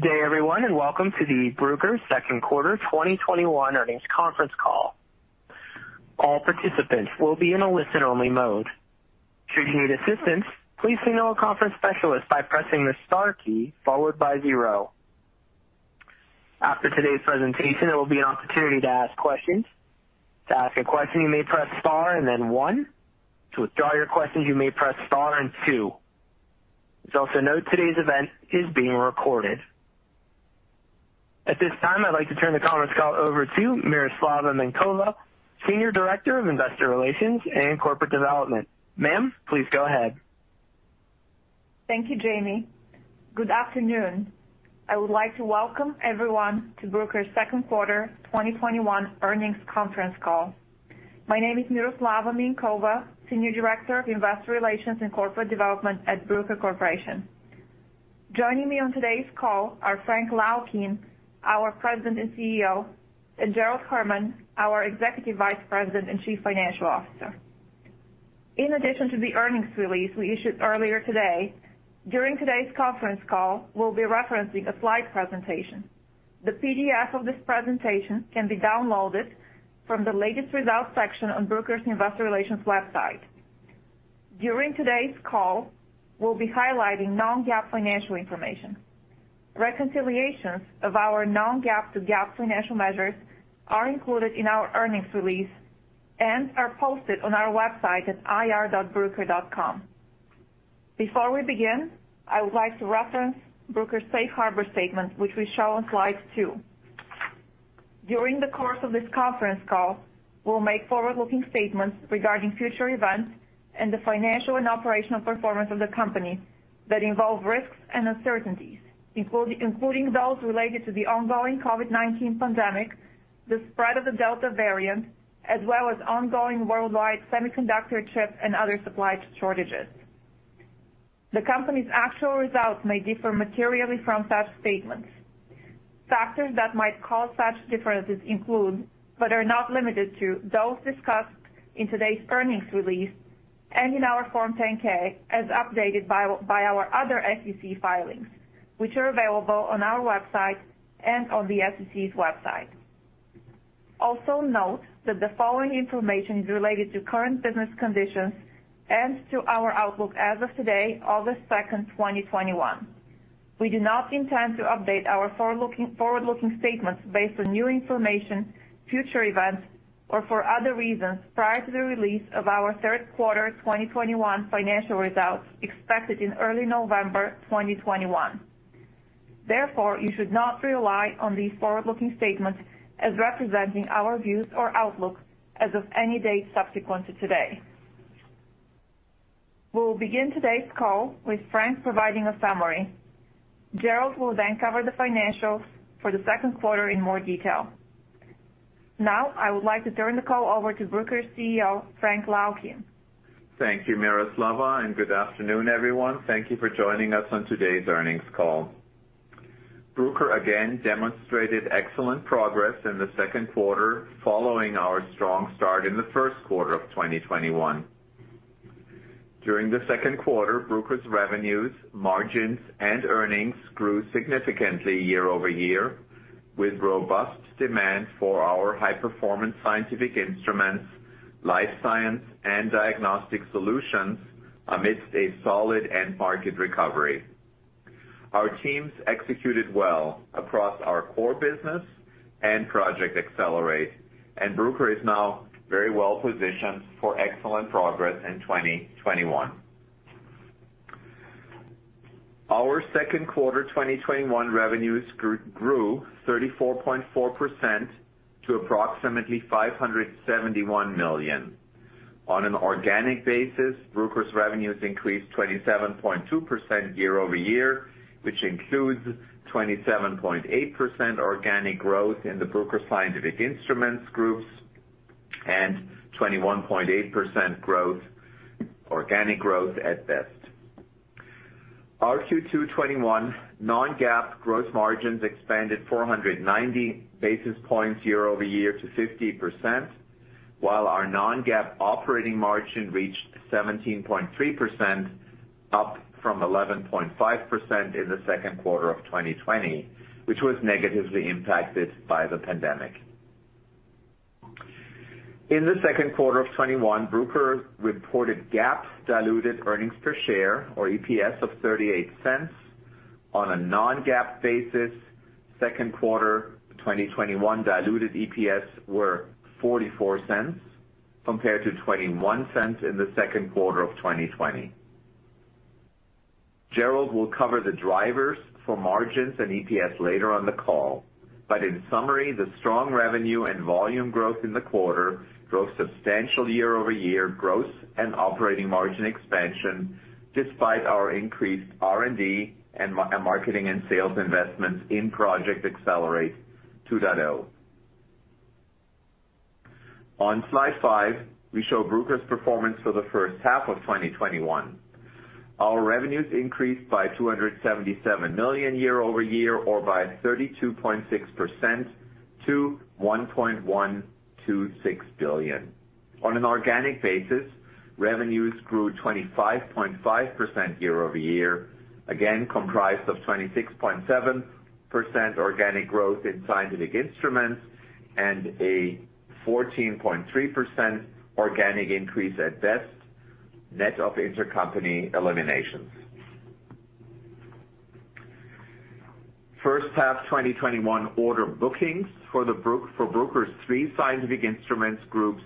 Good day, everyone, and welcome to the Bruker Corporation 2021 earnings conference call. All participants will be in a listen-only mode. Should you need assistance, please signal a conference specialist by pressing the star key followed by zero. After today's presentation, there will be an opportunity to ask questions. To ask a question, you may press star and then one. To withdraw your questions, you may press star and two. Please also note today's event is being recorded. At this time, I'd like to turn the conference call over to Miroslava Minkova, Senior Director of Investor Relations and Corporate Development. Ma'am, please go ahead. Thank you, Jamie. Good afternoon. I would like to welcome everyone to Bruker Corporation's 2021 earnings conference call. My name is Miroslava Minkova, Senior Director of Investor Relations and Corporate Development at Bruker Corporation. Joining me on today's call are Frank Laukien, our President and CEO, and Gerald Herman, our Executive Vice President and Chief Financial Officer. In addition to the earnings release we issued earlier today, during today's conference call, we'll be referencing a slide presentation. The PDF of this presentation can be downloaded from the latest results section on Bruker's Investor Relations website. During today's call, we'll be highlighting non-GAAP financial information. Reconciliations of our non-GAAP to GAAP financial measures are included in our earnings release and are posted on our website at ir.bruker.com. Before we begin, I would like to reference Bruker's Safe Harbor Statement, which we show on slide two. During the course of this conference call, we'll make forward-looking statements regarding future events and the financial and operational performance of the company that involve risks and uncertainties, including those related to the ongoing COVID-19 pandemic, the spread of the Delta variant, as well as ongoing worldwide semiconductor chips and other supply shortages. The company's actual results may differ materially from such statements. Factors that might cause such differences include, but are not limited to, those discussed in today's earnings release and in our Form 10-K, as updated by our other SEC filings, which are available on our website and on the SEC's website. Also, note that the following information is related to current business conditions and to our outlook as of today, August 2nd, 2021. We do not intend to update our forward-looking statements based on new information, future events, or for other reasons prior to the release of our third quarter 2021 financial results expected in early November 2021. Therefore, you should not rely on these forward-looking statements as representing our views or outlook as of any date subsequent to today. We'll begin today's call with Frank providing a summary. Gerald will then cover the financials for the second quarter in more detail. Now, I would like to turn the call over to Bruker's CEO, Frank Laukien. Thank you, Miroslava, and good afternoon, everyone. Thank you for joining us on today's earnings call. Bruker again demonstrated excellent progress in the second quarter following our strong start in the first quarter of 2021. During the second quarter, Bruker's revenues, margins, and earnings grew significantly year over year with robust demand for our high-performance scientific instruments, life science, and diagnostic solutions amidst a solid end-market recovery. Our teams executed well across our core business and project accelerate, and Bruker is now very well positioned for excellent progress in 2021. Our second quarter 2021 revenues grew 34.4% to approximately $571 million. On an organic basis, Bruker's revenues increased 27.2% year over year, which includes 27.8% organic growth in the Bruker Scientific Instruments groups and 21.8% organic growth at best. Our Q2 2021 non-GAAP gross margins expanded 490 basis points year over year to 50%, while our non-GAAP operating margin reached 17.3%, up from 11.5% in the second quarter of 2020, which was negatively impacted by the pandemic. In the second quarter of 2021, Bruker reported GAAP diluted earnings per share, or EPS, of $0.38. On a non-GAAP basis, second quarter 2021 diluted EPS were $0.44 compared to $0.21 in the second quarter of 2020. Gerald will cover the drivers for margins and EPS later on the call, but in summary, the strong revenue and volume growth in the quarter drove substantial year-over-year gross and operating margin expansion despite our increased R&D and marketing and sales investments in Project Accelerate 2.0. On slide five, we show Bruker's performance for the first half of 2021. Our revenues increased by $277 million year over year, or by 32.6% to $1.126 billion. On an organic basis, revenues grew 25.5% year over year, again comprised of 26.7% organic growth in scientific instruments and a 14.3% organic increase at BEST net of intercompany eliminations. First half 2021 order bookings for Bruker's three scientific instruments groups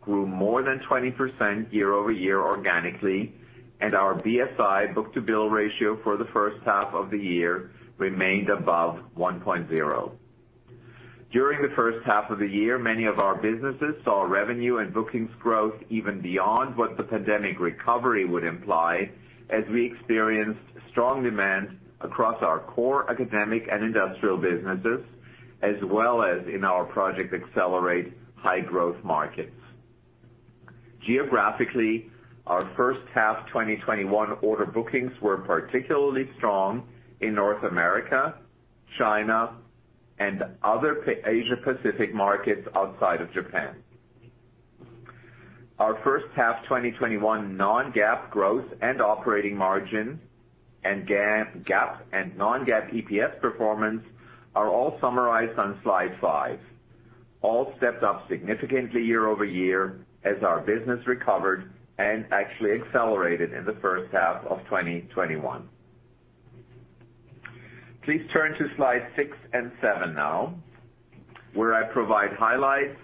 grew more than 20% year over year organically, and our BSI book-to-bill ratio for the first half of the year remained above 1.0. During the first half of the year, many of our businesses saw revenue and bookings growth even beyond what the pandemic recovery would imply as we experienced strong demand across our core academic and industrial businesses, as well as in our Project Accelerate high-growth markets. Geographically, our first half 2021 order bookings were particularly strong in North America, China, and other Asia-Pacific markets outside of Japan. Our first half 2021 non-GAAP growth and operating margin and GAAP and non-GAAP EPS performance are all summarized on slide five. All stepped up significantly year over year as our business recovered and actually accelerated in the first half of 2021. Please turn to slide six and seven now, where I provide highlights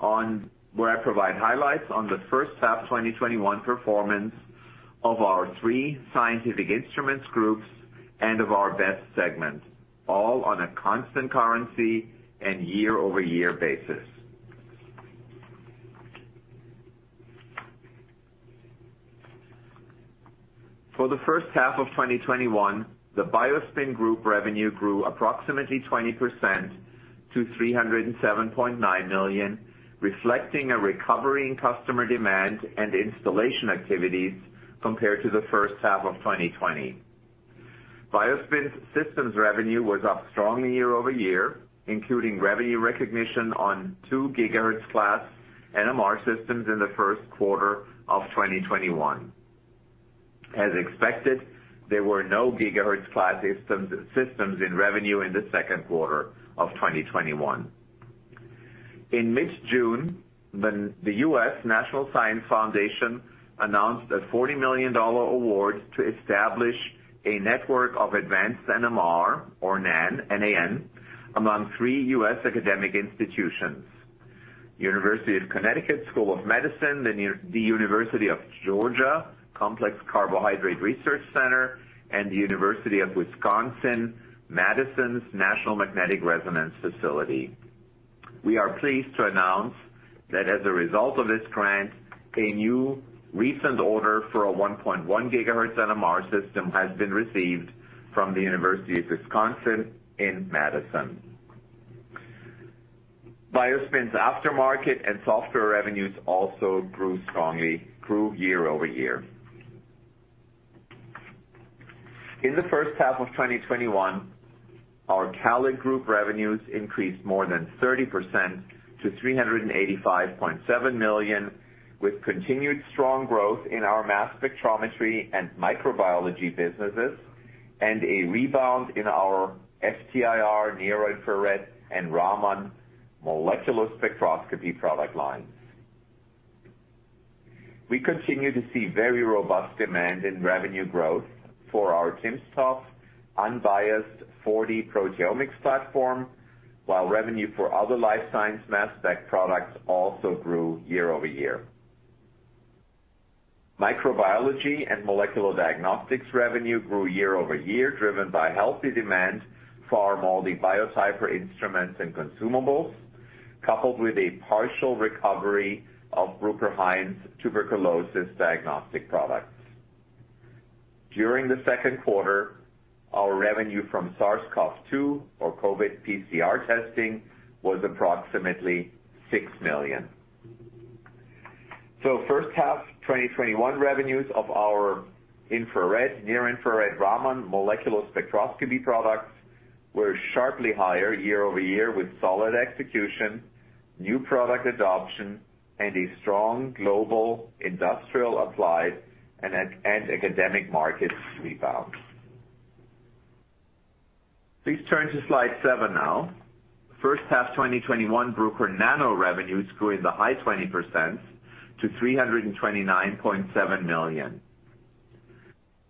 on the first half 2021 performance of our three scientific instruments groups and of our BEST segment, all on a constant currency and year-over-year basis. For the first half of 2021, the BioSpin Group revenue grew approximately 20% to $307.9 million, reflecting a recovery in customer demand and installation activities compared to the first half of 2020. BioSpin Systems revenue was up strongly year over year, including revenue recognition on two gigahertz class NMR systems in the first quarter of 2021. As expected, there were no gigahertz class systems in revenue in the second quarter of 2021. In mid-June, the U.S. National Science Foundation announced a $40 million award to establish a network of advanced NMR, or NAN, among three U.S. academic institutions: University of Connecticut School of Medicine, the University of Georgia Complex Carbohydrate Research Center, and the University of Wisconsin-Madison's National Magnetic Resonance Facility. We are pleased to announce that as a result of this grant, a new recent order for a 1.1 gigahertz NMR system has been received from the University of Wisconsin-Madison. BioSpin's aftermarket and software revenues also grew strongly, grew year over year. In the first half of 2021, our CALID Group revenues increased more than 30% to $385.7 million, with continued strong growth in our mass spectrometry and microbiology businesses and a rebound in our FTIR, near-infrared, and Raman molecular spectroscopy product lines. We continue to see very robust demand and revenue growth for our timsTOF Unbiased 4D Proteomics platform, while revenue for other life science mass spec products also grew year over year. Microbiology and molecular diagnostics revenue grew year over year, driven by healthy demand for our MALDI Biotyper instruments and consumables, coupled with a partial recovery of Bruker Hain tuberculosis diagnostic products. During the second quarter, our revenue from SARS-CoV-2, or COVID PCR testing, was approximately $6 million, so first half 2021 revenues of our infrared, near-infrared, Raman molecular spectroscopy products were sharply higher year over year with solid execution, new product adoption, and a strong global industrial applied and academic market rebound. Please turn to slide seven now. First half 2021, Bruker Nano revenues grew in the high 20% to $329.7 million.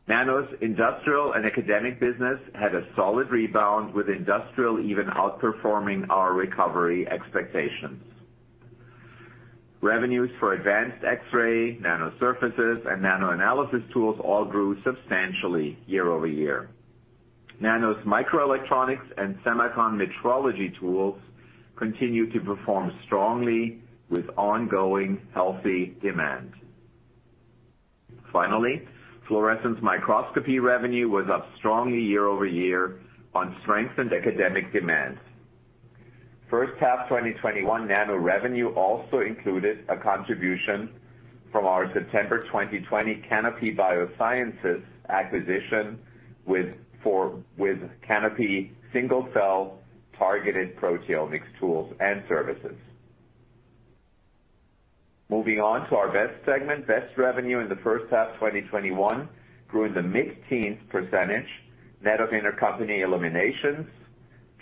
Nano's industrial and academic business had a solid rebound, with industrial even outperforming our recovery expectations. Revenues for advanced X-ray, nano surfaces, and nano analysis tools all grew substantially year over year. Nano's microelectronics and semiconductor metrology tools continue to perform strongly with ongoing healthy demand. Finally, fluorescence microscopy revenue was up strongly year over year on strengthened academic demand. First half 2021, Nano revenue also included a contribution from our September 2020 Canopy Biosciences acquisition with Canopy single-cell targeted proteomics tools and services. Moving on to our BEST segment, BEST revenue in the first half 2021 grew in the mid-teens% net of intercompany eliminations,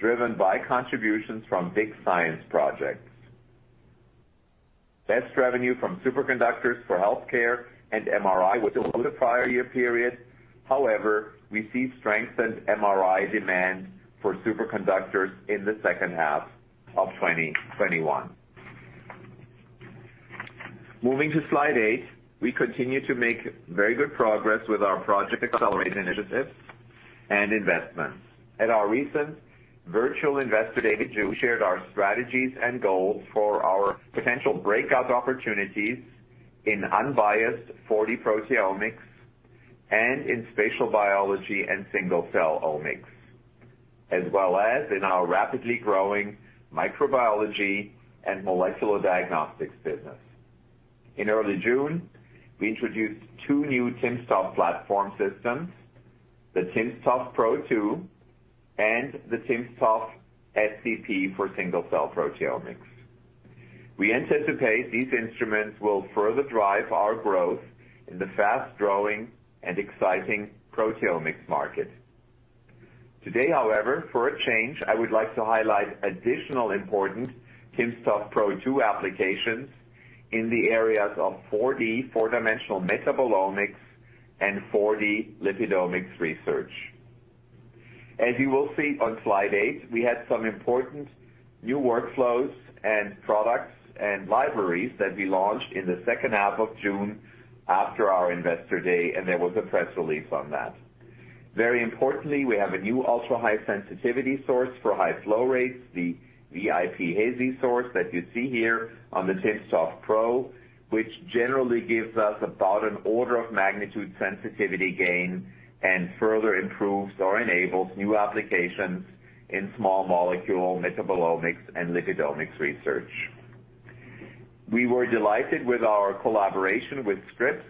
driven by contributions from big science projects. BEST revenue from superconductors for healthcare and MRI was low the prior year period. However, we see strengthened MRI demand for superconductors in the second half of 2021. Moving to slide eight, we continue to make very good progress with our Project Accelerate initiatives and investments. At our recent virtual Investor Day, David Zhu shared our strategies and goals for our potential breakout opportunities in unbiased 4D proteomics and in spatial biology and single-cell omics, as well as in our rapidly growing microbiology and molecular diagnostics business. In early June, we introduced two new timsTOF platform systems, the timsTOF Pro 2 and the timsTOF SCP for single-cell proteomics. We anticipate these instruments will further drive our growth in the fast-growing and exciting proteomics market. Today, however, for a change, I would like to highlight additional important timsTOF Pro 2 applications in the areas of 4D four-dimensional metabolomics and 4D lipidomics research. As you will see on slide eight, we had some important new workflows and products and libraries that we launched in the second half of June after our investor day, and there was a press release on that. Very importantly, we have a new ultra-high sensitivity source for high flow rates, the VIP-HESI source that you see here on the timsTOF Pro 2, which generally gives us about an order of magnitude sensitivity gain and further improves or enables new applications in small molecule metabolomics and lipidomics research. We were delighted with our collaboration with Scripps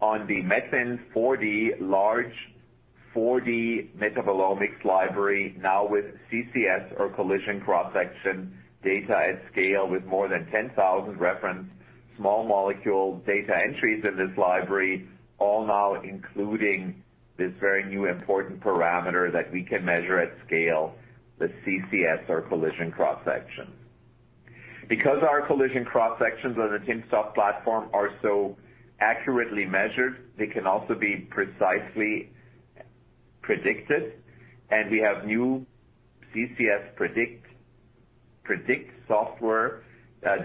on the METLIN-4D large 4D metabolomics library, now with CCS, or collision cross-section data at scale with more than 10,000 reference small molecule data entries in this library, all now including this very new important parameter that we can measure at scale, the CCS, or collision cross-section. Because our collision cross-sections on the timsTOF platform are so accurately measured, they can also be precisely predicted, and we have new CCS-Predict software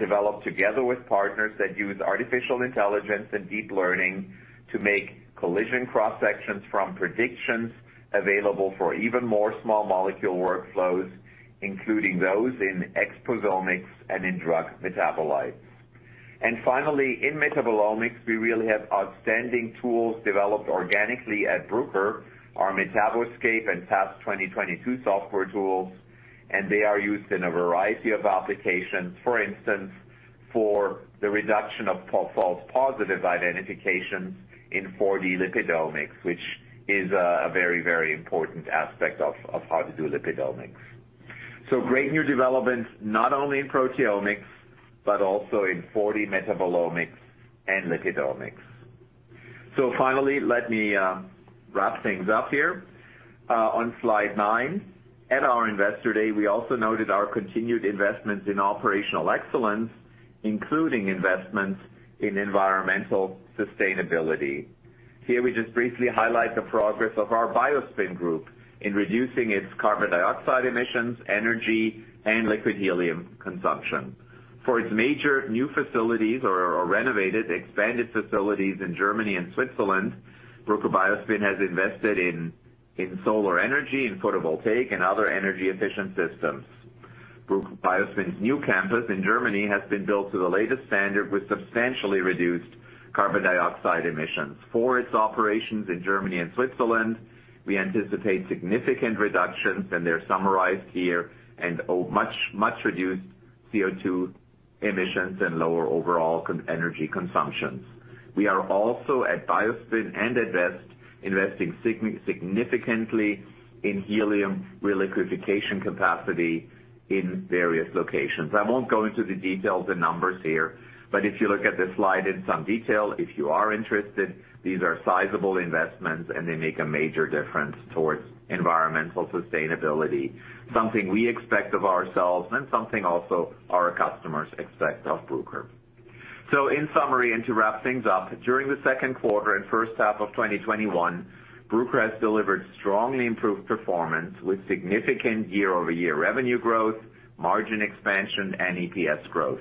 developed together with partners that use artificial intelligence and deep learning to make collision cross-sections from predictions available for even more small molecule workflows, including those in exposomics and in drug metabolites. And finally, in metabolomics, we really have outstanding tools developed organically at Bruker, our MetaboScape and TASQ 2022 software tools, and they are used in a variety of applications, for instance, for the reduction of false positive identifications in 4D lipidomics, which is a very, very important aspect of how to do lipidomics. So great new developments not only in proteomics but also in 4D metabolomics and lipidomics. So finally, let me wrap things up here. On slide nine, at our investor day, we also noted our continued investments in operational excellence, including investments in environmental sustainability. Here we just briefly highlight the progress of our BioSpin Group in reducing its carbon dioxide emissions, energy, and liquid helium consumption. For its major new facilities, or renovated, expanded facilities in Germany and Switzerland, Bruker BioSpin has invested in solar energy, in photovoltaic, and other energy-efficient systems. Bruker BioSpin's new campus in Germany has been built to the latest standard with substantially reduced carbon dioxide emissions. For its operations in Germany and Switzerland, we anticipate significant reductions as summarized here and much reduced CO2 emissions and lower overall energy consumptions. We are also at BioSpin and at BEST investing significantly in helium reliquefaction capacity in various locations. I won't go into the details and numbers here, but if you look at the slide in some detail, if you are interested, these are sizable investments, and they make a major difference towards environmental sustainability, something we expect of ourselves and something also our customers expect of Bruker. So in summary, and to wrap things up, during the second quarter and first half of 2021, Bruker has delivered strongly improved performance with significant year-over-year revenue growth, margin expansion, and EPS growth.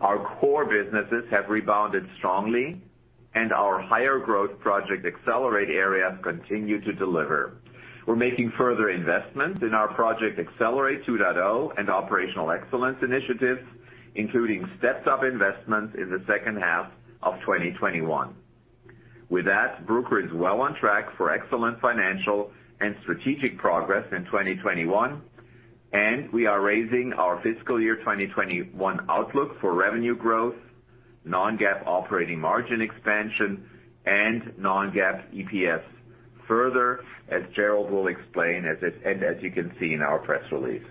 Our core businesses have rebounded strongly, and our higher growth Project Accelerate areas continue to deliver. We're making further investments in our Project Accelerate 2.0 and operational excellence initiatives, including stepped-up investments in the second half of 2021. With that, Bruker is well on track for excellent financial and strategic progress in 2021, and we are raising our fiscal year 2021 outlook for revenue growth, non-GAAP operating margin expansion, and non-GAAP EPS further, as Gerald will explain, and as you can see in our press release.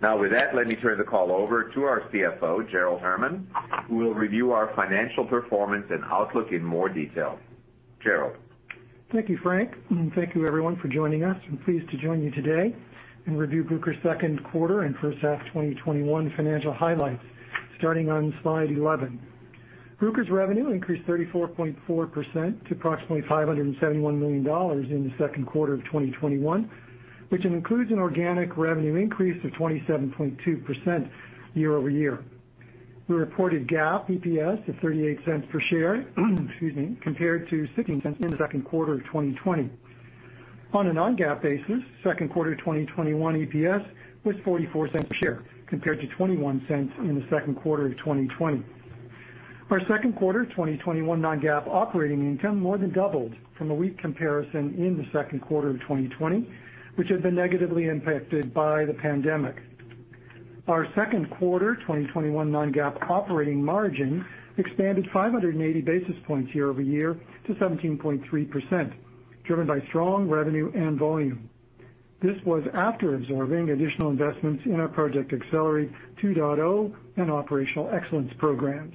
Now with that, let me turn the call over to our CFO, Gerald Herman, who will review our financial performance and outlook in more detail. Gerald. Thank you, Frank. And thank you, everyone, for joining us. I'm pleased to join you today and review Bruker's second quarter and first half 2021 financial highlights starting on slide 11. Bruker's revenue increased 34.4% to approximately $571 million in the second quarter of 2021, which includes an organic revenue increase of 27.2% year over year. We reported GAAP EPS of $0.38 per share, excuse me, compared to $0.60 in the second quarter of 2020. On a non-GAAP basis, second quarter 2021 EPS was $0.44 per share compared to $0.21 in the second quarter of 2020. Our second quarter 2021 non-GAAP operating income more than doubled from a weak comparison in the second quarter of 2020, which had been negatively impacted by the pandemic. Our second quarter 2021 non-GAAP operating margin expanded 580 basis points year over year to 17.3%, driven by strong revenue and volume. This was after absorbing additional investments in our Project Accelerate 2.0 and operational excellence programs,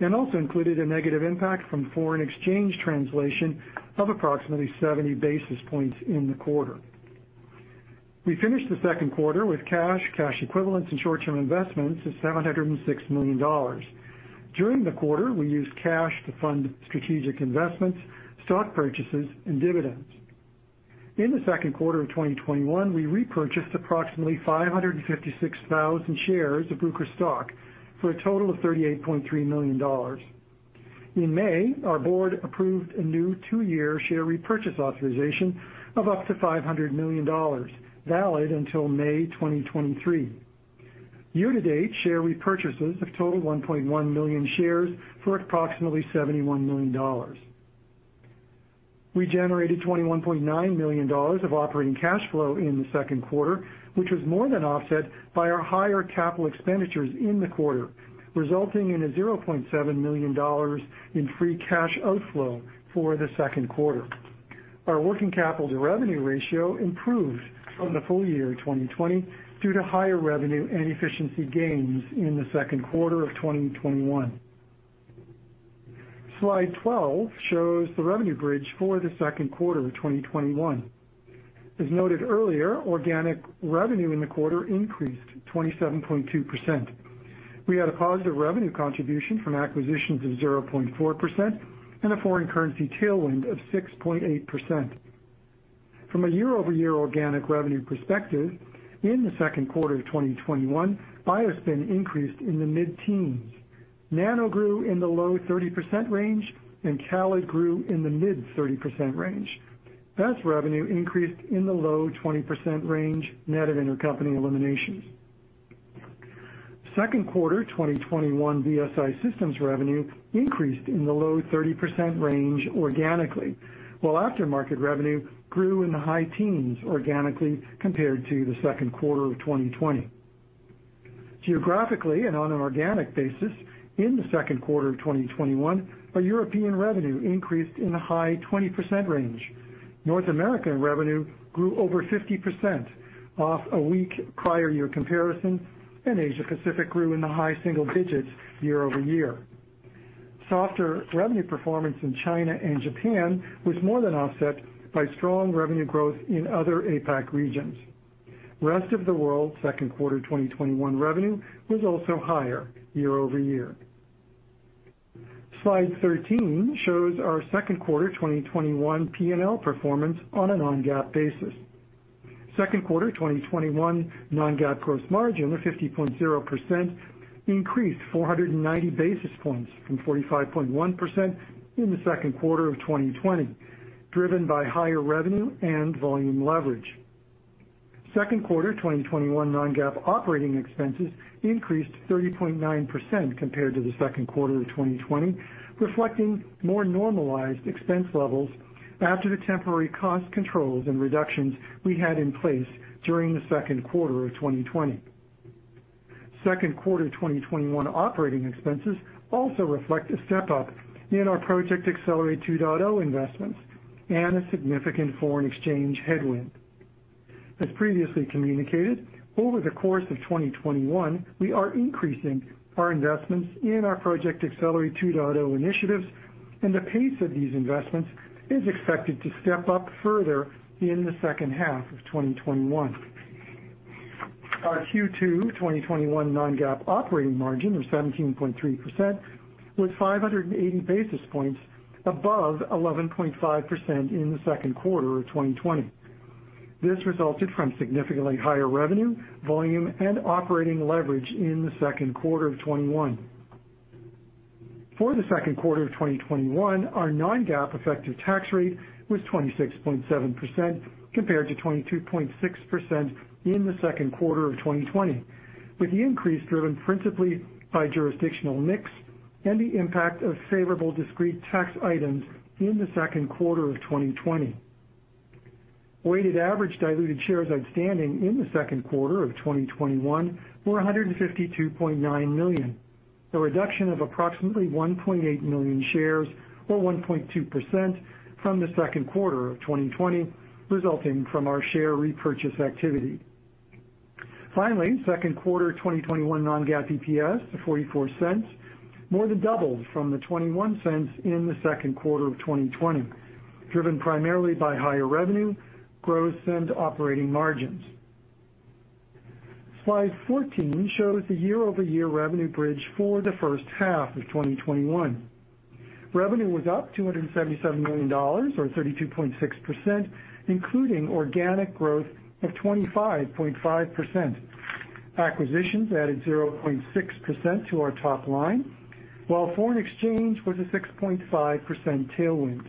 and also included a negative impact from foreign exchange translation of approximately 70 basis points in the quarter. We finished the second quarter with cash, cash equivalents, and short-term investments of $706 million. During the quarter, we used cash to fund strategic investments, stock purchases, and dividends. In the second quarter of 2021, we repurchased approximately 556,000 shares of Bruker stock for a total of $38.3 million. In May, our board approved a new two-year share repurchase authorization of up to $500 million, valid until May 2023. Year-to-date, share repurchases have totaled 1.1 million shares for approximately $71 million. We generated $21.9 million of operating cash flow in the second quarter, which was more than offset by our higher capital expenditures in the quarter, resulting in a $0.7 million in free cash outflow for the second quarter. Our working capital-to-revenue ratio improved from the full year 2020 due to higher revenue and efficiency gains in the second quarter of 2021. Slide 12 shows the revenue bridge for the second quarter of 2021. As noted earlier, organic revenue in the quarter increased 27.2%. We had a positive revenue contribution from acquisitions of 0.4% and a foreign currency tailwind of 6.8%. From a year-over-year organic revenue perspective, in the second quarter of 2021, BioSpin increased in the mid-teens. Nano grew in the low 30% range, and CALID grew in the mid-30% range. BEST revenue increased in the low 20% range net of intercompany eliminations. Second quarter 2021 BSI systems revenue increased in the low 30% range organically, while aftermarket revenue grew in the high teens organically compared to the second quarter of 2020. Geographically and on an organic basis, in the second quarter of 2021, our European revenue increased in the high 20% range. North American revenue grew over 50% off a weak prior year comparison, and Asia-Pacific grew in the high single digits year over year. Softer revenue performance in China and Japan was more than offset by strong revenue growth in other APAC regions. Rest of the world's second quarter 2021 revenue was also higher year over year. Slide 13 shows our second quarter 2021 P&L performance on a non-GAAP basis. Second quarter 2021 non-GAAP gross margin of 50.0% increased 490 basis points from 45.1% in the second quarter of 2020, driven by higher revenue and volume leverage. Second quarter 2021 non-GAAP operating expenses increased 30.9% compared to the second quarter of 2020, reflecting more normalized expense levels after the temporary cost controls and reductions we had in place during the second quarter of 2020. Second quarter 2021 operating expenses also reflect a step-up in our Project Accelerate 2.0 investments and a significant foreign exchange headwind. As previously communicated, over the course of 2021, we are increasing our investments in our Project Accelerate 2.0 initiatives, and the pace of these investments is expected to step up further in the second half of 2021. Our Q2 2021 non-GAAP operating margin of 17.3% was 580 basis points above 11.5% in the second quarter of 2020. This resulted from significantly higher revenue, volume, and operating leverage in the second quarter of 2021. For the second quarter of 2021, our non-GAAP effective tax rate was 26.7% compared to 22.6% in the second quarter of 2020, with the increase driven principally by jurisdictional mix and the impact of favorable discrete tax items in the second quarter of 2020. Weighted average diluted shares outstanding in the second quarter of 2021 were 152.9 million, a reduction of approximately 1.8 million shares or 1.2% from the second quarter of 2020, resulting from our share repurchase activity. Finally, second quarter 2021 non-GAAP EPS of $0.44 more than doubled from the $0.21 in the second quarter of 2020, driven primarily by higher revenue, gross, and operating margins. Slide 14 shows the year-over-year revenue bridge for the first half of 2021. Revenue was up $277 million or 32.6%, including organic growth of 25.5%. Acquisitions added 0.6% to our top line, while foreign exchange was a 6.5% tailwind,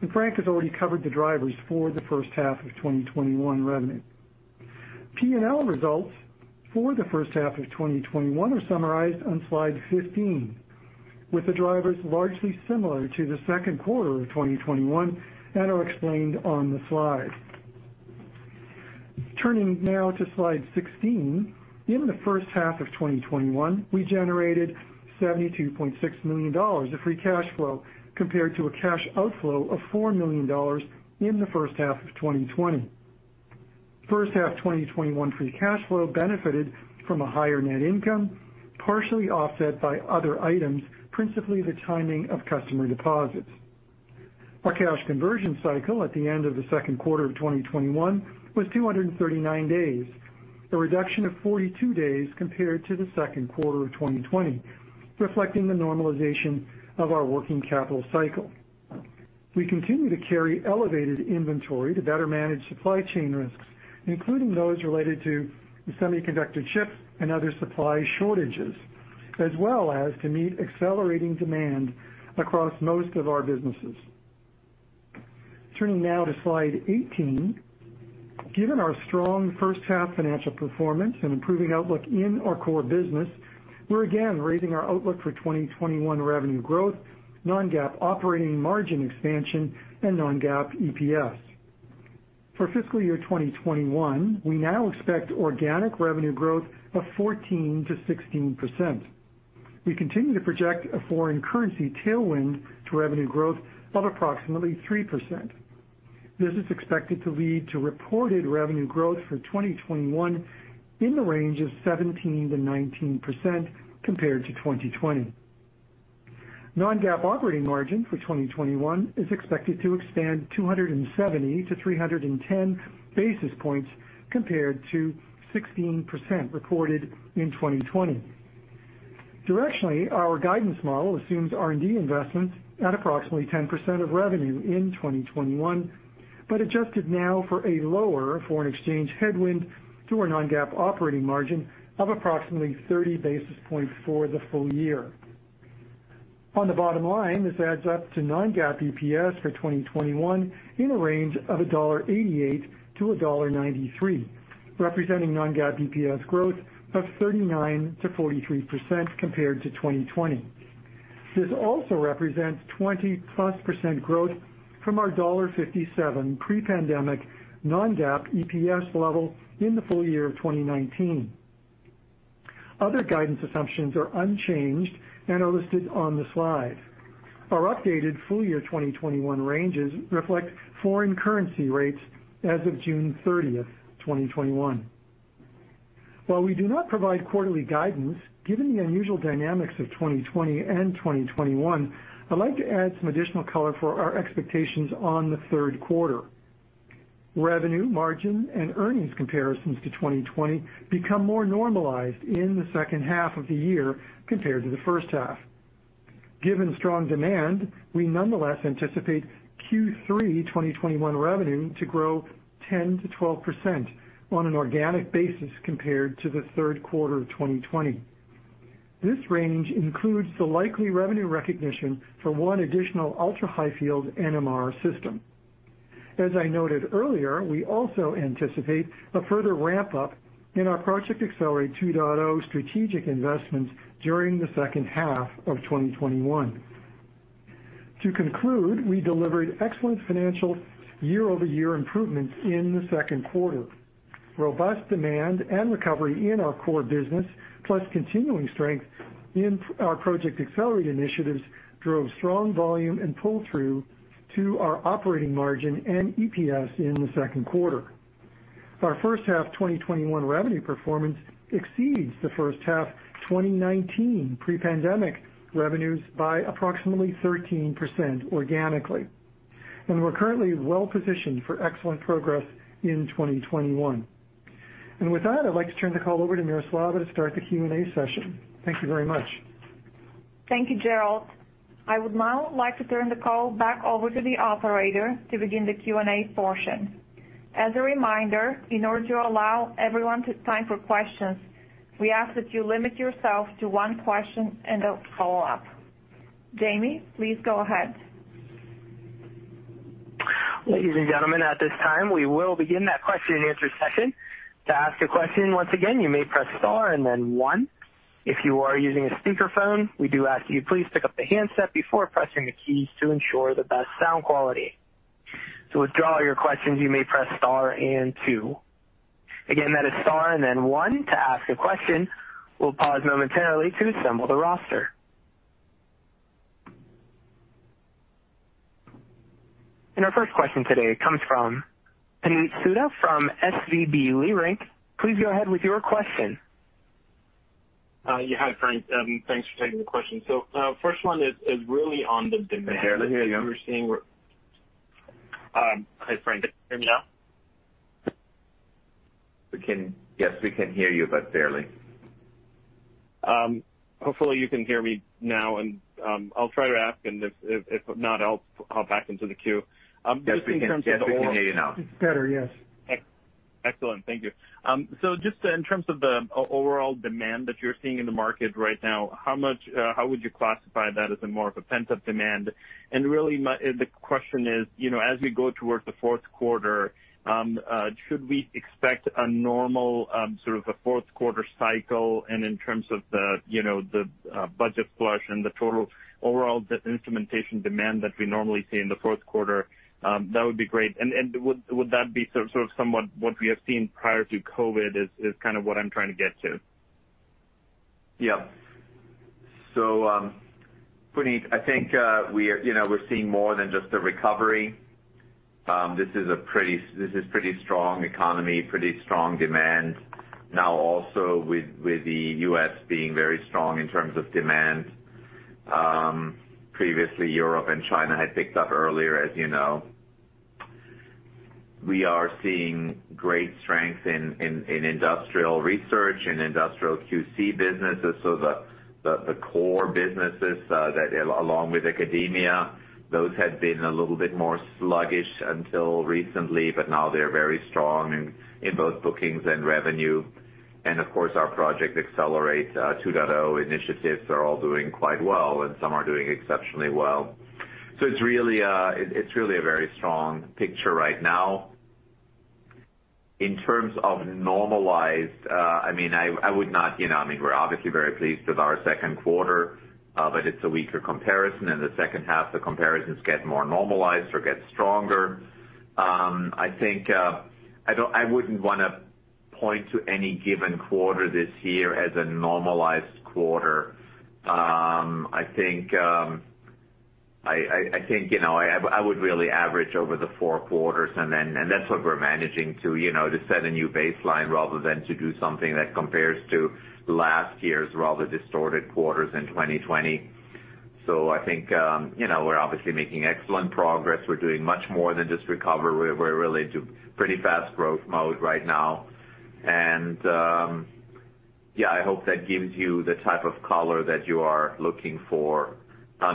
and Frank has already covered the drivers for the first half of 2021 revenue. P&L results for the first half of 2021 are summarized on slide 15, with the drivers largely similar to the second quarter of 2021 and are explained on the slide. Turning now to slide 16, in the first half of 2021, we generated $72.6 million of free cash flow compared to a cash outflow of $4 million in the first half of 2020. First half 2021 free cash flow benefited from a higher net income, partially offset by other items, principally the timing of customer deposits. Our cash conversion cycle at the end of the second quarter of 2021 was 239 days, a reduction of 42 days compared to the second quarter of 2020, reflecting the normalization of our working capital cycle. We continue to carry elevated inventory to better manage supply chain risks, including those related to semiconductor chips and other supply shortages, as well as to meet accelerating demand across most of our businesses. Turning now to slide 18, given our strong first half financial performance and improving outlook in our core business, we're again raising our outlook for 2021 revenue growth, non-GAAP operating margin expansion, and non-GAAP EPS. For fiscal year 2021, we now expect organic revenue growth of 14%-16%. We continue to project a foreign currency tailwind to revenue growth of approximately 3%. This is expected to lead to reported revenue growth for 2021 in the range of 17%-19% compared to 2020. Non-GAAP operating margin for 2021 is expected to expand 270-310 basis points compared to 16% reported in 2020. Directionally, our guidance model assumes R&D investments at approximately 10% of revenue in 2021, but adjusted now for a lower foreign exchange headwind to our non-GAAP operating margin of approximately 30 basis points for the full year. On the bottom line, this adds up to non-GAAP EPS for 2021 in a range of $1.88-$1.93, representing non-GAAP EPS growth of 39%-43% compared to 2020. This also represents 20-plus% growth from our $1.57 pre-pandemic non-GAAP EPS level in the full year of 2019. Other guidance assumptions are unchanged and are listed on the slide. Our updated full year 2021 ranges reflect foreign currency rates as of June 30, 2021. While we do not provide quarterly guidance, given the unusual dynamics of 2020 and 2021, I'd like to add some additional color for our expectations on the third quarter. Revenue, margin, and earnings comparisons to 2020 become more normalized in the second half of the year compared to the first half. Given strong demand, we nonetheless anticipate Q3 2021 revenue to grow 10%-12% on an organic basis compared to the third quarter of 2020. This range includes the likely revenue recognition for one additional ultra-high field NMR system. As I noted earlier, we also anticipate a further ramp-up in our Project Accelerate 2.0 strategic investments during the second half of 2021. To conclude, we delivered excellent financial year-over-year improvements in the second quarter. Robust demand and recovery in our core business, plus continuing strength in our Project Accelerate initiatives, drove strong volume and pull-through to our operating margin and EPS in the second quarter. Our first half 2021 revenue performance exceeds the first half 2019 pre-pandemic revenues by approximately 13% organically. We're currently well-positioned for excellent progress in 2021. With that, I'd like to turn the call over to Miroslava to start the Q&A session. Thank you very much. Thank you, Gerald. I would now like to turn the call back over to the operator to begin the Q&A portion. As a reminder, in order to allow everyone time for questions, we ask that you limit yourself to one question and a follow-up. Jamie, please go ahead. Ladies and gentlemen, at this time, we will begin that question-and-answer session. To ask a question, once again, you may press star and then one. If you are using a speakerphone, we do ask that you please pick up the handset before pressing the keys to ensure the best sound quality. To withdraw your questions, you may press star and two. Again, that is star and then one to ask a question. We'll pause momentarily to assemble the roster. And our first question today comes from Puneet Souda from SVB Leerink. Please go ahead with your question. Yeah, hi, Frank. Thanks for taking the question. So first one is really on the demand. Hey, there. Hi, Frank. Hear me now? We can, yes, we can hear you, but barely. Hopefully, you can hear me now, and I'll try to ask, and if not, I'll back into the queue. Yes, we can. Just in terms of the oral. We can hear you now. It's better, yes. Excellent. Thank you. So just in terms of the overall demand that you're seeing in the market right now, how would you classify that as more of a pent-up demand? And really, the question is, as we go towards the fourth quarter, should we expect a normal sort of a fourth quarter cycle? And in terms of the budget flush and the total overall instrumentation demand that we normally see in the fourth quarter, that would be great. And would that be sort of somewhat what we have seen prior to COVID? Is kind of what I'm trying to get to? Yeah. So Puneet, I think we're seeing more than just a recovery. This is a pretty strong economy, pretty strong demand, now also with the U.S. being very strong in terms of demand. Previously, Europe and China had picked up earlier, as you know. We are seeing great strength in industrial research and industrial QC businesses. So the core businesses, along with academia, those had been a little bit more sluggish until recently, but now they're very strong in both bookings and revenue. And of course, our Project Accelerate 2.0 initiatives are all doing quite well, and some are doing exceptionally well. So it's really a very strong picture right now. In terms of normalized, I mean, I would not I mean, we're obviously very pleased with our second quarter, but it's a weaker comparison. In the second half, the comparisons get more normalized or get stronger. I think I wouldn't want to point to any given quarter this year as a normalized quarter. I think I would really average over the four quarters, and that's what we're managing to set a new baseline rather than to do something that compares to last year's rather distorted quarters in 2020. So I think we're obviously making excellent progress. We're doing much more than just recover. We're really in pretty fast growth mode right now. And yeah, I hope that gives you the type of color that you are looking for.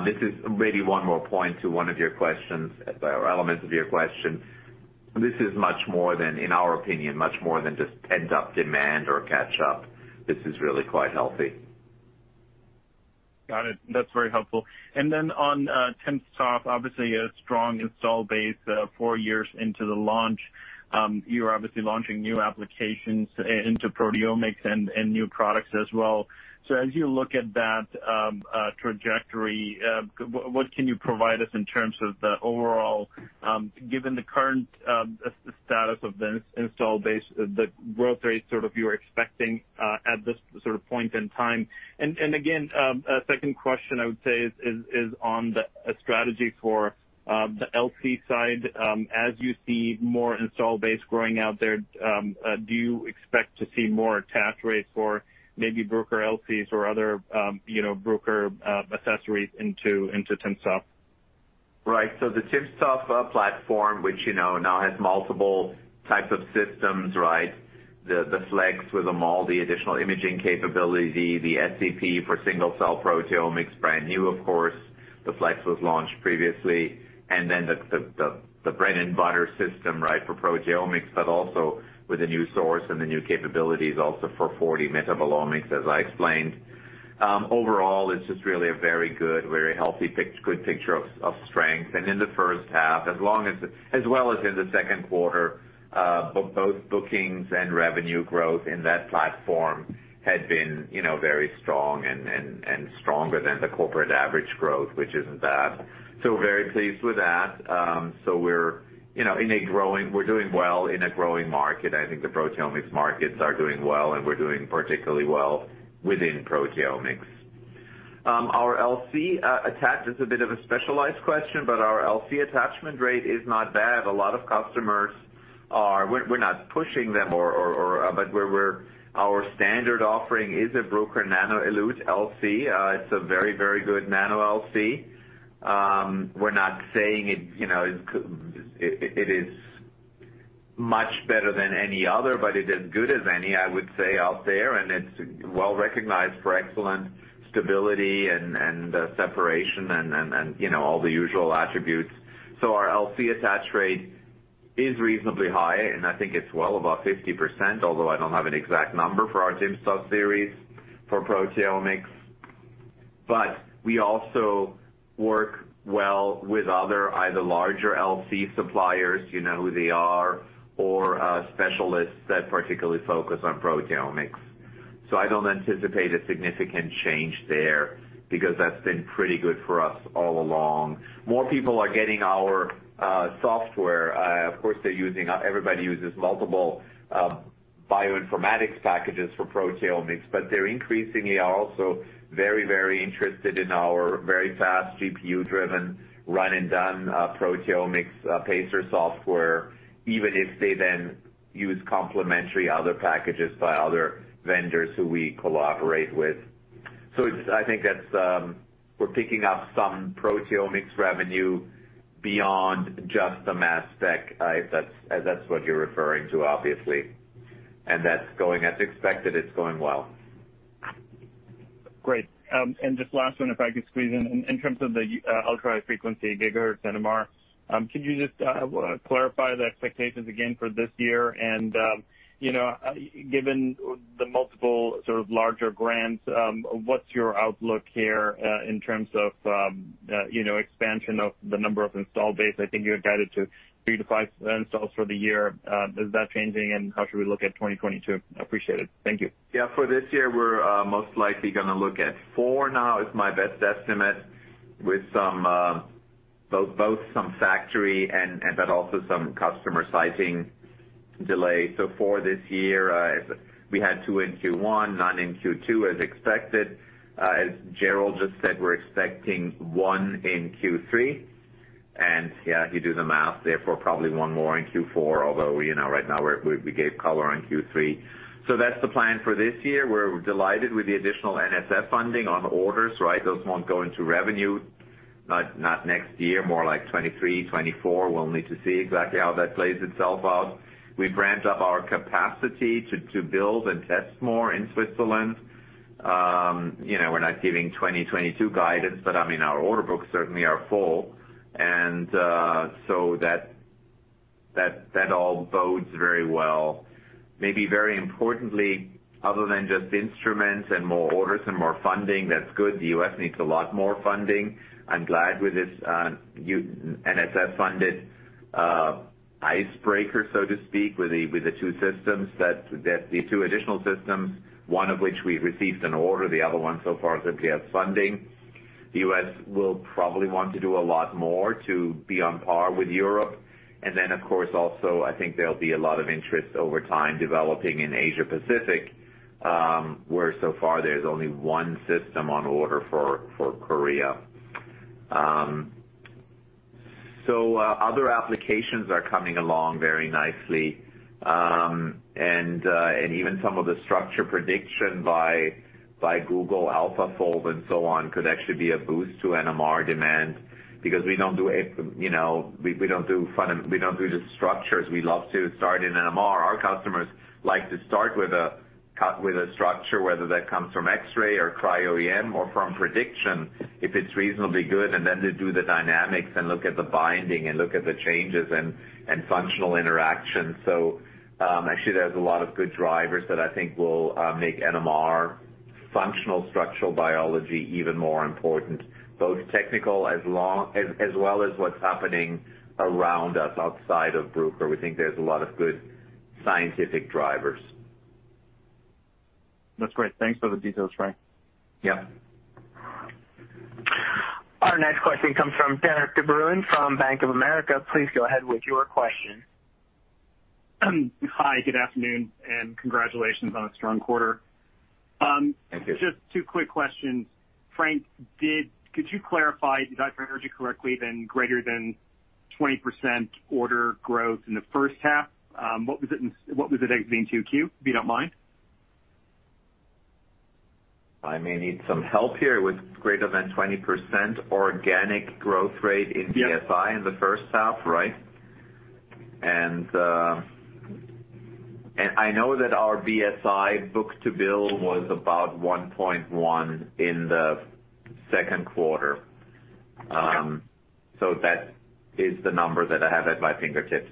This is maybe one more point to one of your questions or elements of your question. This is much more than, in our opinion, much more than just pent-up demand or catch-up. This is really quite healthy. Got it. That's very helpful. And then on timsTOF, obviously, a strong install base four years into the launch. You're obviously launching new applications into proteomics and new products as well. So as you look at that trajectory, what can you provide us in terms of the overall, given the current status of the install base, the growth rate sort of you're expecting at this sort of point in time? And again, a second question I would say is on the strategy for the LC side. As you see more install base growing out there, do you expect to see more attach rates for maybe Bruker LCs or other Bruker accessories into timsTOF? Right. So the timsTOF platform, which now has multiple types of systems, right? The fleX with all the additional imaging capability, the SCP for single-cell proteomics, brand new, of course. The fleX was launched previously. And then the bread-and-butter system, right, for proteomics, but also with a new source and the new capabilities also for 4D metabolomics, as I explained. Overall, it's just really a very good, very healthy good picture of strength. And in the first half, as well as in the second quarter, both bookings and revenue growth in that platform had been very strong and stronger than the corporate average growth, which isn't bad. So very pleased with that. So we're in a growing market. We're doing well in a growing market. I think the proteomics markets are doing well, and we're doing particularly well within proteomics. Our LC attachment is a bit of a specialized question, but our LC attachment rate is not bad. A lot of customers, we're not pushing them, but our standard offering is a Bruker nanoElute LC. It's a very, very good nano LC. We're not saying it is much better than any other, but it is good as any, I would say, out there. And it's well recognized for excellent stability and separation and all the usual attributes. So our LC attach rate is reasonably high, and I think it's well above 50%, although I don't have an exact number for our timsTOF series for proteomics. But we also work well with other either larger LC suppliers, you know who they are, or specialists that particularly focus on proteomics. So I don't anticipate a significant change there because that's been pretty good for us all along. More people are getting our software. Of course, everybody uses multiple bioinformatics packages for proteomics, but they're increasingly also very, very interested in our very fast GPU-driven run-and-done proteomics PaSER software, even if they then use complementary other packages by other vendors who we collaborate with. So I think we're picking up some proteomics revenue beyond just the mass spec, if that's what you're referring to, obviously. And that's going as expected. It's going well. Great. And just last one, if I could squeeze in. In terms of the ultra-high field gigahertz NMR, could you just clarify the expectations again for this year? And given the multiple sort of larger grants, what's your outlook here in terms of expansion of the number of installed base? I think you were guided to three to five installs for the year. Is that changing, and how should we look at 2022? Appreciate it. Thank you. Yeah. For this year, we're most likely going to look at four now, is my best estimate, with both some factory and but also some customer siting delay. So four this year. We had two in Q1, none in Q2 as expected. As Gerald just said, we're expecting one in Q3. And yeah, you do the math, therefore probably one more in Q4, although right now we gave color on Q3. So that's the plan for this year. We're delighted with the additional NSF funding on orders, right? Those won't go into revenue, not next year, more like 2023, 2024. We'll need to see exactly how that plays itself out. We've ramped up our capacity to build and test more in Switzerland. We're not giving 2022 guidance, but I mean, our order books certainly are full. And so that all bodes very well. Maybe very importantly, other than just instruments and more orders and more funding, that's good. The U.S. needs a lot more funding. I'm glad with this NSF-funded icebreaker, so to speak, with the two systems, the two additional systems, one of which we received an order, the other one so far simply has funding. The U.S. will probably want to do a lot more to be on par with Europe. And then, of course, also I think there'll be a lot of interest over time developing in Asia-Pacific, where so far there's only one system on order for Korea. So other applications are coming along very nicely. And even some of the structure prediction by Google, AlphaFold, and so on could actually be a boost to NMR demand because we don't do just structures. We love to start in NMR. Our customers like to start with a structure, whether that comes from X-ray or cryo-EM or from prediction, if it's reasonably good, and then they do the dynamics and look at the binding and look at the changes and functional interactions. Actually, there's a lot of good drivers that I think will make NMR functional structural biology even more important, both technical as well as what's happening around us outside of Bruker. We think there's a lot of good scientific drivers. That's great. Thanks for the details, Frank. Yep. Our next question comes from Derik de Bruin from Bank of America. Please go ahead with your question. Hi, good afternoon, and congratulations on a strong quarter. Thank you. Just two quick questions. Frank, could you clarify, did I heard you correctly, then greater than 20% order growth in the first half? What was it exiting to Q, if you don't mind? I may need some help here with greater than 20% organic growth rate in BSI in the first half, right? And I know that our BSI book-to-bill was about 1.1 in the second quarter. So that is the number that I have at my fingertips.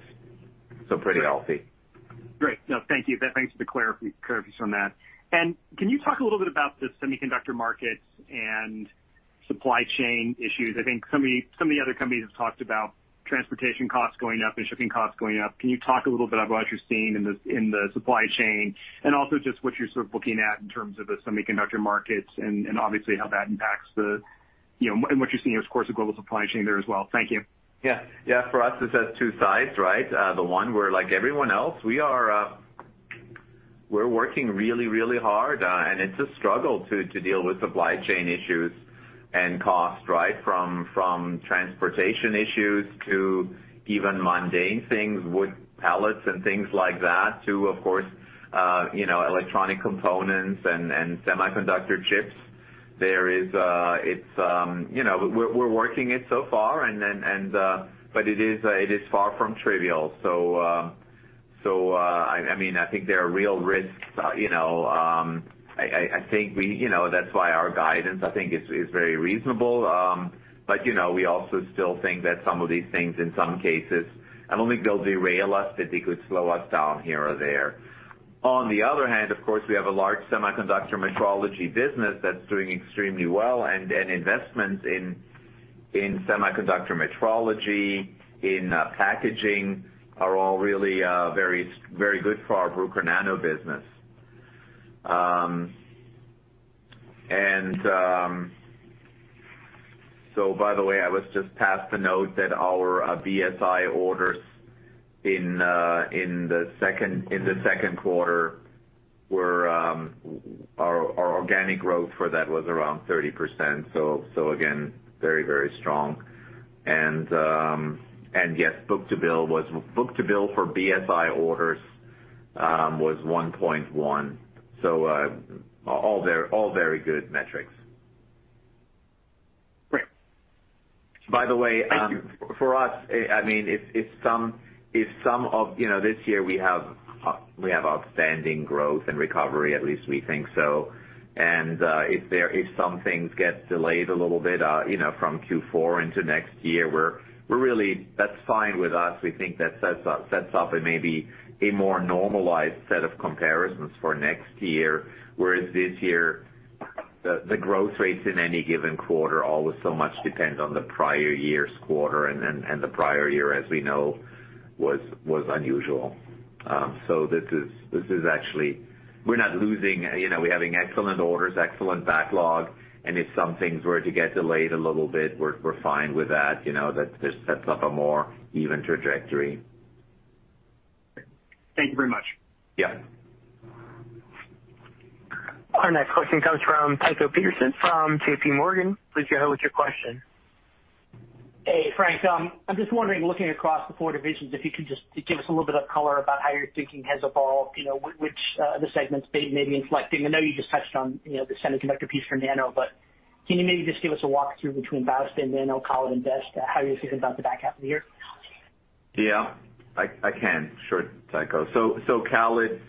So pretty healthy. Great. No, thank you. Thanks for the clarity on that. And can you talk a little bit about the semiconductor markets and supply chain issues? I think some of the other companies have talked about transportation costs going up and shipping costs going up. Can you talk a little bit about what you're seeing in the supply chain and also just what you're sort of looking at in terms of the semiconductor markets and obviously how that impacts the and what you're seeing is, of course, the global supply chain there as well. Thank you. Yeah. Yeah. For us, it's on two sides, right? The one where like everyone else, we're working really, really hard, and it's a struggle to deal with supply chain issues and cost, right, from transportation issues to even mundane things, wood pallets and things like that, to, of course, electronic components and semiconductor chips. There, it's – we're working it so far, but it is far from trivial. So I mean, I think there are real risks. I think that's why our guidance, I think, is very reasonable. But we also still think that some of these things, in some cases, not only they'll derail us, but they could slow us down here or there. On the other hand, of course, we have a large semiconductor metrology business that's doing extremely well, and investments in semiconductor metrology, in packaging, are all really very good for our Bruker Nano business. And so, by the way, I was just passing the note that our BSI orders in the second quarter, our organic growth for that was around 30%. So again, very, very strong. And yes, book-to-bill for BSI orders was 1.1. So all very good metrics. Great. By the way. Thank you. For us, I mean, if some of this year we have outstanding growth and recovery, at least we think so. And if some things get delayed a little bit from Q4 into next year, that's fine with us. We think that sets up maybe a more normalized set of comparisons for next year, whereas this year, the growth rates in any given quarter always so much depend on the prior year's quarter, and the prior year, as we know, was unusual. So this is actually, we're not losing. We're having excellent orders, excellent backlog, and if some things were to get delayed a little bit, we're fine with that. That sets up a more even trajectory. Thank you very much. Yep. Our next question comes from Tycho Peterson from JPMorgan. Please go ahead with your question. Hey, Frank. I'm just wondering, looking across the four divisions, if you could just give us a little bit of color about how you're thinking has evolved, which of the segments may be inflecting. I know you just touched on the semiconductor piece for Nano, but can you maybe just give us a walkthrough between BEST and Nano, CALID, and BioSpin, how you're thinking about the back half of the year? Yeah. I can. Sure, Tycho. So CALID is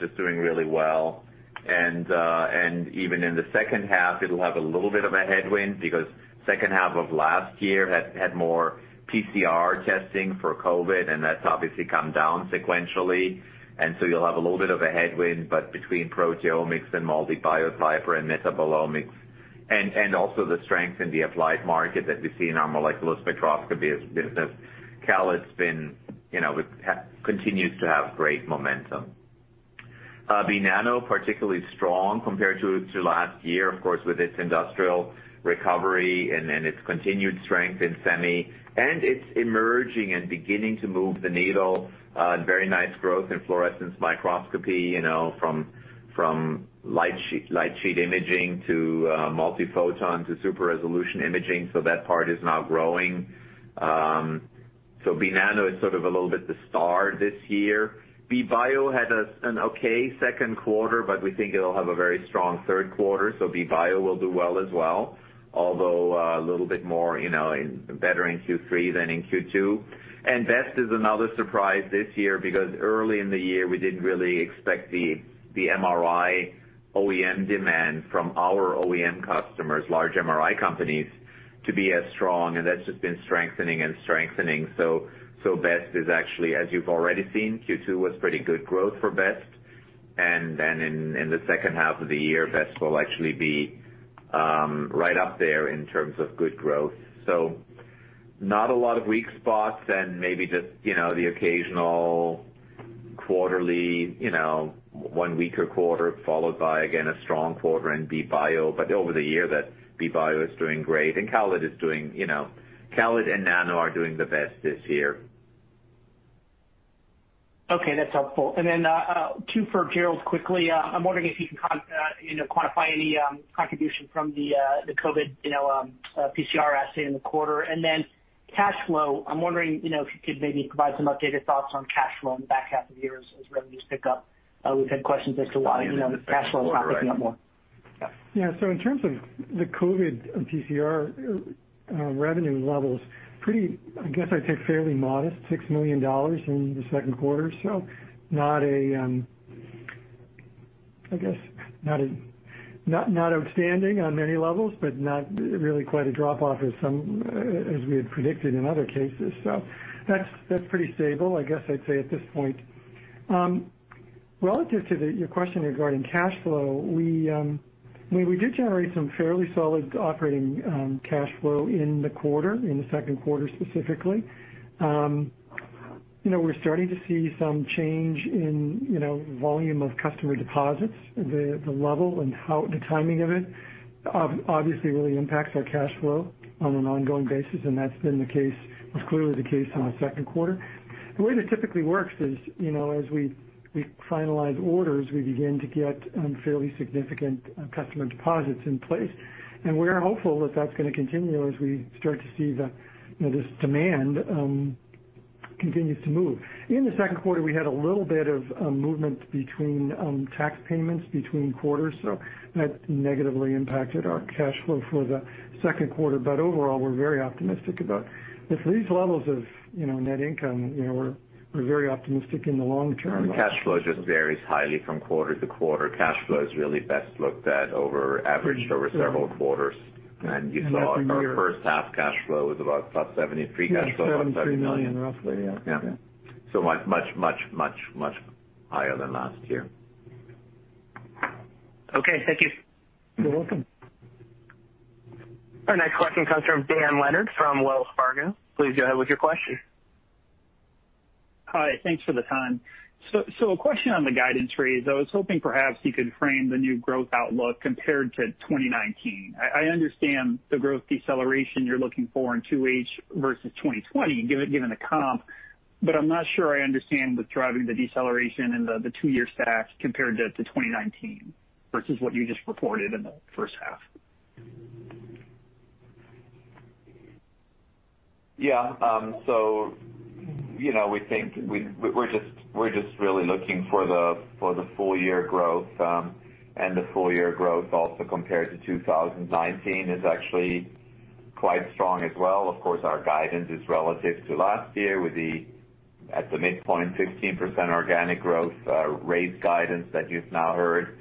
just doing really well, and even in the second half, it'll have a little bit of a headwind because the second half of last year had more PCR testing for COVID, and that's obviously come down sequentially, and so you'll have a little bit of a headwind, but between proteomics and the IVD business and metabolomics, and also the strength in the applied market that we see in our molecular spectroscopy business, CALID continues to have great momentum. BNano is particularly strong compared to last year, of course, with its industrial recovery and its continued strength in semi, and it's emerging and beginning to move the needle. Very nice growth in fluorescence microscopy from light sheet imaging to multiphoton to super-resolution imaging, so that part is now growing, so BNano is sort of a little bit the star this year. BBio had an okay second quarter, but we think it'll have a very strong third quarter. So BBio will do well as well, although a little bit more better in Q3 than in Q2. And BEST is another surprise this year because early in the year, we didn't really expect the MRI OEM demand from our OEM customers, large MRI companies, to be as strong. And that's just been strengthening and strengthening. So BEST is actually, as you've already seen, Q2 was pretty good growth for BEST. And then in the second half of the year, BEST will actually be right up there in terms of good growth. So not a lot of weak spots and maybe just the occasional quarterly, one weak quarter followed by, again, a strong quarter in BBio. But over the year, that BBio is doing great. CALID and Nano are doing the best this year. Okay. That's helpful, and then two for Gerald quickly. I'm wondering if you can quantify any contribution from the COVID PCR assay in the quarter. And then cash flow, I'm wondering if you could maybe provide some updated thoughts on cash flow in the back half of the year as revenues pick up. We've had questions as to why cash flow is not picking up more. Yeah. So in terms of the COVID PCR revenue levels, I guess I'd say fairly modest, $6 million in the second quarter. So not a, I guess, not outstanding on many levels, but not really quite a drop-off as we had predicted in other cases. So that's pretty stable, I guess I'd say at this point. Relative to your question regarding cash flow, we did generate some fairly solid operating cash flow in the quarter, in the second quarter specifically. We're starting to see some change in volume of customer deposits. The level and the timing of it obviously really impacts our cash flow on an ongoing basis, and that's been the case, was clearly the case in the second quarter. The way that typically works is as we finalize orders, we begin to get fairly significant customer deposits in place. And we're hopeful that that's going to continue as we start to see this demand continue to move. In the second quarter, we had a little bit of movement between tax payments between quarters, so that negatively impacted our cash flow for the second quarter. But overall, we're very optimistic about these levels of net income. We're very optimistic in the long term. Cash flow just varies highly from quarter to quarter. Cash flow is really best looked at, averaged over several quarters. You saw our first half cash flow was about plus $73. $73 million, roughly. Yeah. Yeah, so much, much, much, much higher than last year. Okay. Thank you. You're welcome. Our next question comes from Dan Leonard from Wells Fargo. Please go ahead with your question. Hi. Thanks for the time. So a question on the guidance rates. I was hoping perhaps you could frame the new growth outlook compared to 2019. I understand the growth deceleration you're looking for in 2H versus 2020, given the comp, but I'm not sure I understand what's driving the deceleration in the two-year stats compared to 2019 versus what you just reported in the first half. Yeah. So, we think we're just really looking for the full-year growth, and the full-year growth also compared to 2019 is actually quite strong as well. Of course, our guidance is relative to last year with the, at the midpoint, 15% organic growth rate guidance that you've now heard,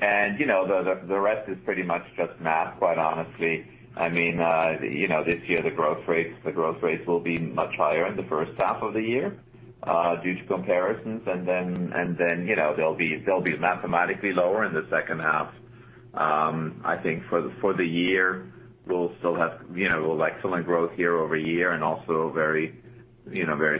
and the rest is pretty much just math, quite honestly. I mean, this year, the growth rates will be much higher in the first half of the year due to comparisons, and then they'll be mathematically lower in the second half. I think for the year, we'll still have excellent growth year over year and also very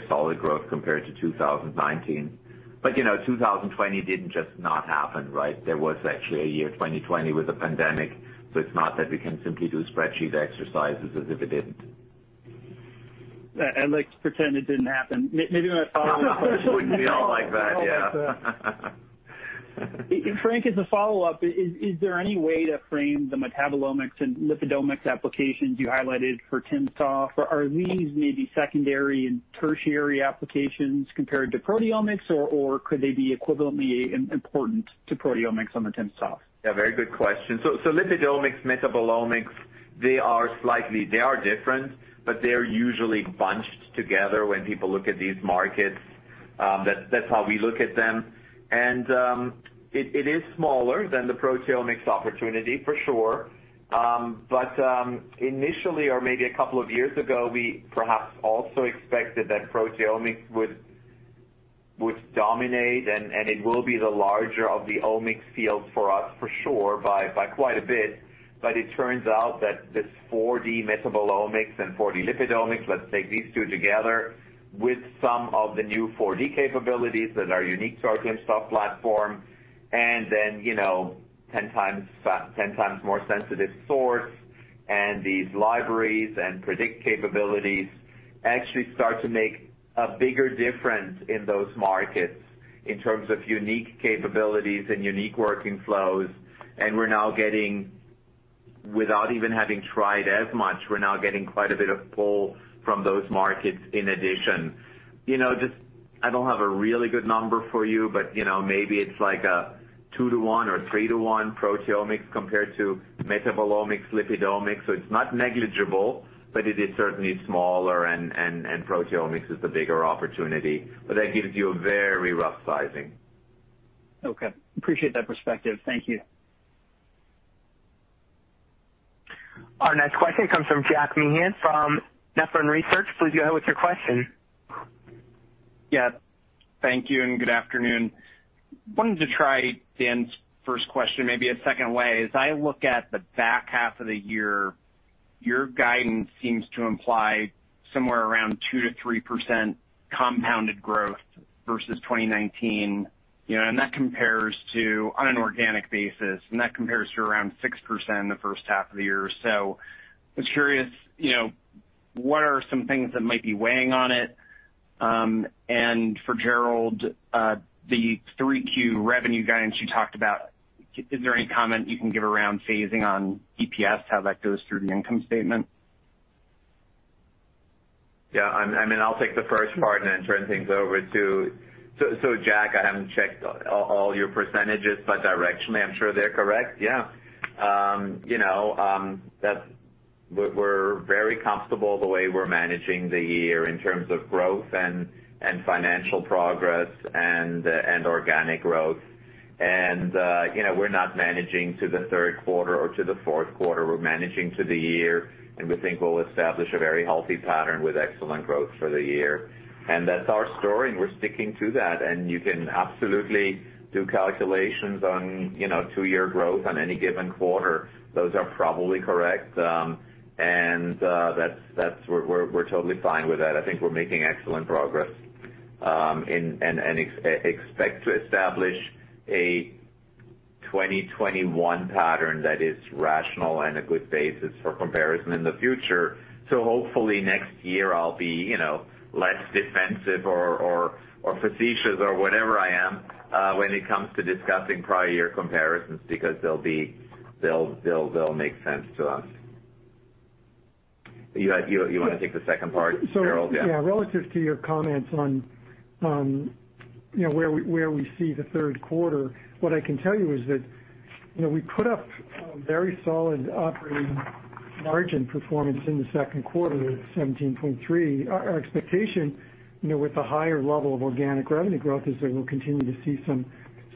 solid growth compared to 2019, but 2020 didn't just not happen, right? There was actually a year 2020 with a pandemic, so it's not that we can simply do spreadsheet exercises as if it didn't. I'd like to pretend it didn't happen. Maybe my follow-up question wouldn't be all like that. Yeah. Frank, as a follow-up, is there any way to frame the metabolomics and lipidomics applications you highlighted for timsTOF? Are these maybe secondary and tertiary applications compared to proteomics, or could they be equivalently important to proteomics on the timsTOF? Yeah. Very good question. So lipidomics, metabolomics, they are different. But they're usually bunched together when people look at these markets. That's how we look at them. And it is smaller than the proteomics opportunity, for sure. But initially, or maybe a couple of years ago, we perhaps also expected that proteomics would dominate, and it will be the larger of the omics fields for us, for sure, by quite a bit. But it turns out that this 4D metabolomics and 4D lipidomics, let's take these two together with some of the new 4D capabilities that are unique to our timsTOF platform, and then 10 times more sensitive source and these libraries and predict capabilities actually start to make a bigger difference in those markets in terms of unique capabilities and unique working flows. We're now getting, without even having tried as much, we're now getting quite a bit of pull from those markets in addition. I don't have a really good number for you, but maybe it's like a 2 to 1 or 3 to 1 proteomics compared to metabolomics, lipidomics. It's not negligible, but it is certainly smaller, and proteomics is the bigger opportunity. That gives you a very rough sizing. Okay. Appreciate that perspective. Thank you. Our next question comes from Jack Meehan from Nephron Research. Please go ahead with your question. Yeah. Thank you. And good afternoon. I wanted to try Dan's first question, maybe a second way. As I look at the back half of the year, your guidance seems to imply somewhere around 2%-3% compounded growth versus 2019. And that compares to, on an organic basis, and that compares to around 6% in the first half of the year. So I was curious, what are some things that might be weighing on it? And for Gerald, the 3Q revenue guidance you talked about, is there any comment you can give around phasing on EPS, how that goes through the income statement? Yeah. I mean, I'll take the first part and then turn things over to, so Jack, I haven't checked all your percentages, but directionally, I'm sure they're correct. Yeah. We're very comfortable the way we're managing the year in terms of growth and financial progress and organic growth. And we're not managing to the third quarter or to the fourth quarter. We're managing to the year, and we think we'll establish a very healthy pattern with excellent growth for the year. And that's our story, and we're sticking to that. And you can absolutely do calculations on two-year growth on any given quarter. Those are probably correct. And we're totally fine with that. I think we're making excellent progress and expect to establish a 2021 pattern that is rational and a good basis for comparison in the future. So hopefully, next year, I'll be less defensive or facetious or whatever I am when it comes to discussing prior year comparisons because they'll make sense to us. You want to take the second part, Gerald? Yeah. Relative to your comments on where we see the third quarter, what I can tell you is that we put up a very solid operating margin performance in the second quarter at 17.3%. Our expectation with a higher level of organic revenue growth is that we'll continue to see some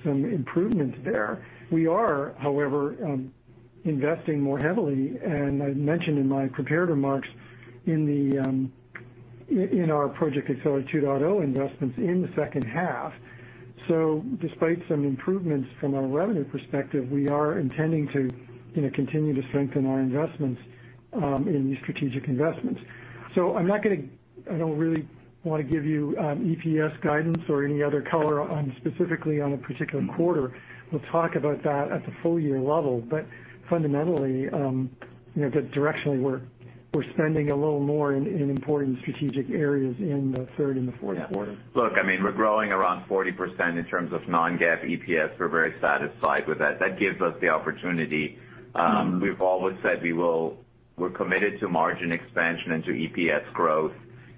improvements there. We are, however, investing more heavily, and I mentioned in my prepared remarks our Project Accelerate 2.0 investments in the second half. So despite some improvements from our revenue perspective, we are intending to continue to strengthen our investments in these strategic investments. I'm not going to—I don't really want to give you EPS guidance or any other color specifically on a particular quarter. We'll talk about that at the full-year level. But fundamentally, that directionally, we're spending a little more in important strategic areas in the third and the fourth quarter. Yeah. Look, I mean, we're growing around 40% in terms of non-GAAP EPS. We're very satisfied with that. That gives us the opportunity. We've always said we're committed to margin expansion and to EPS growth.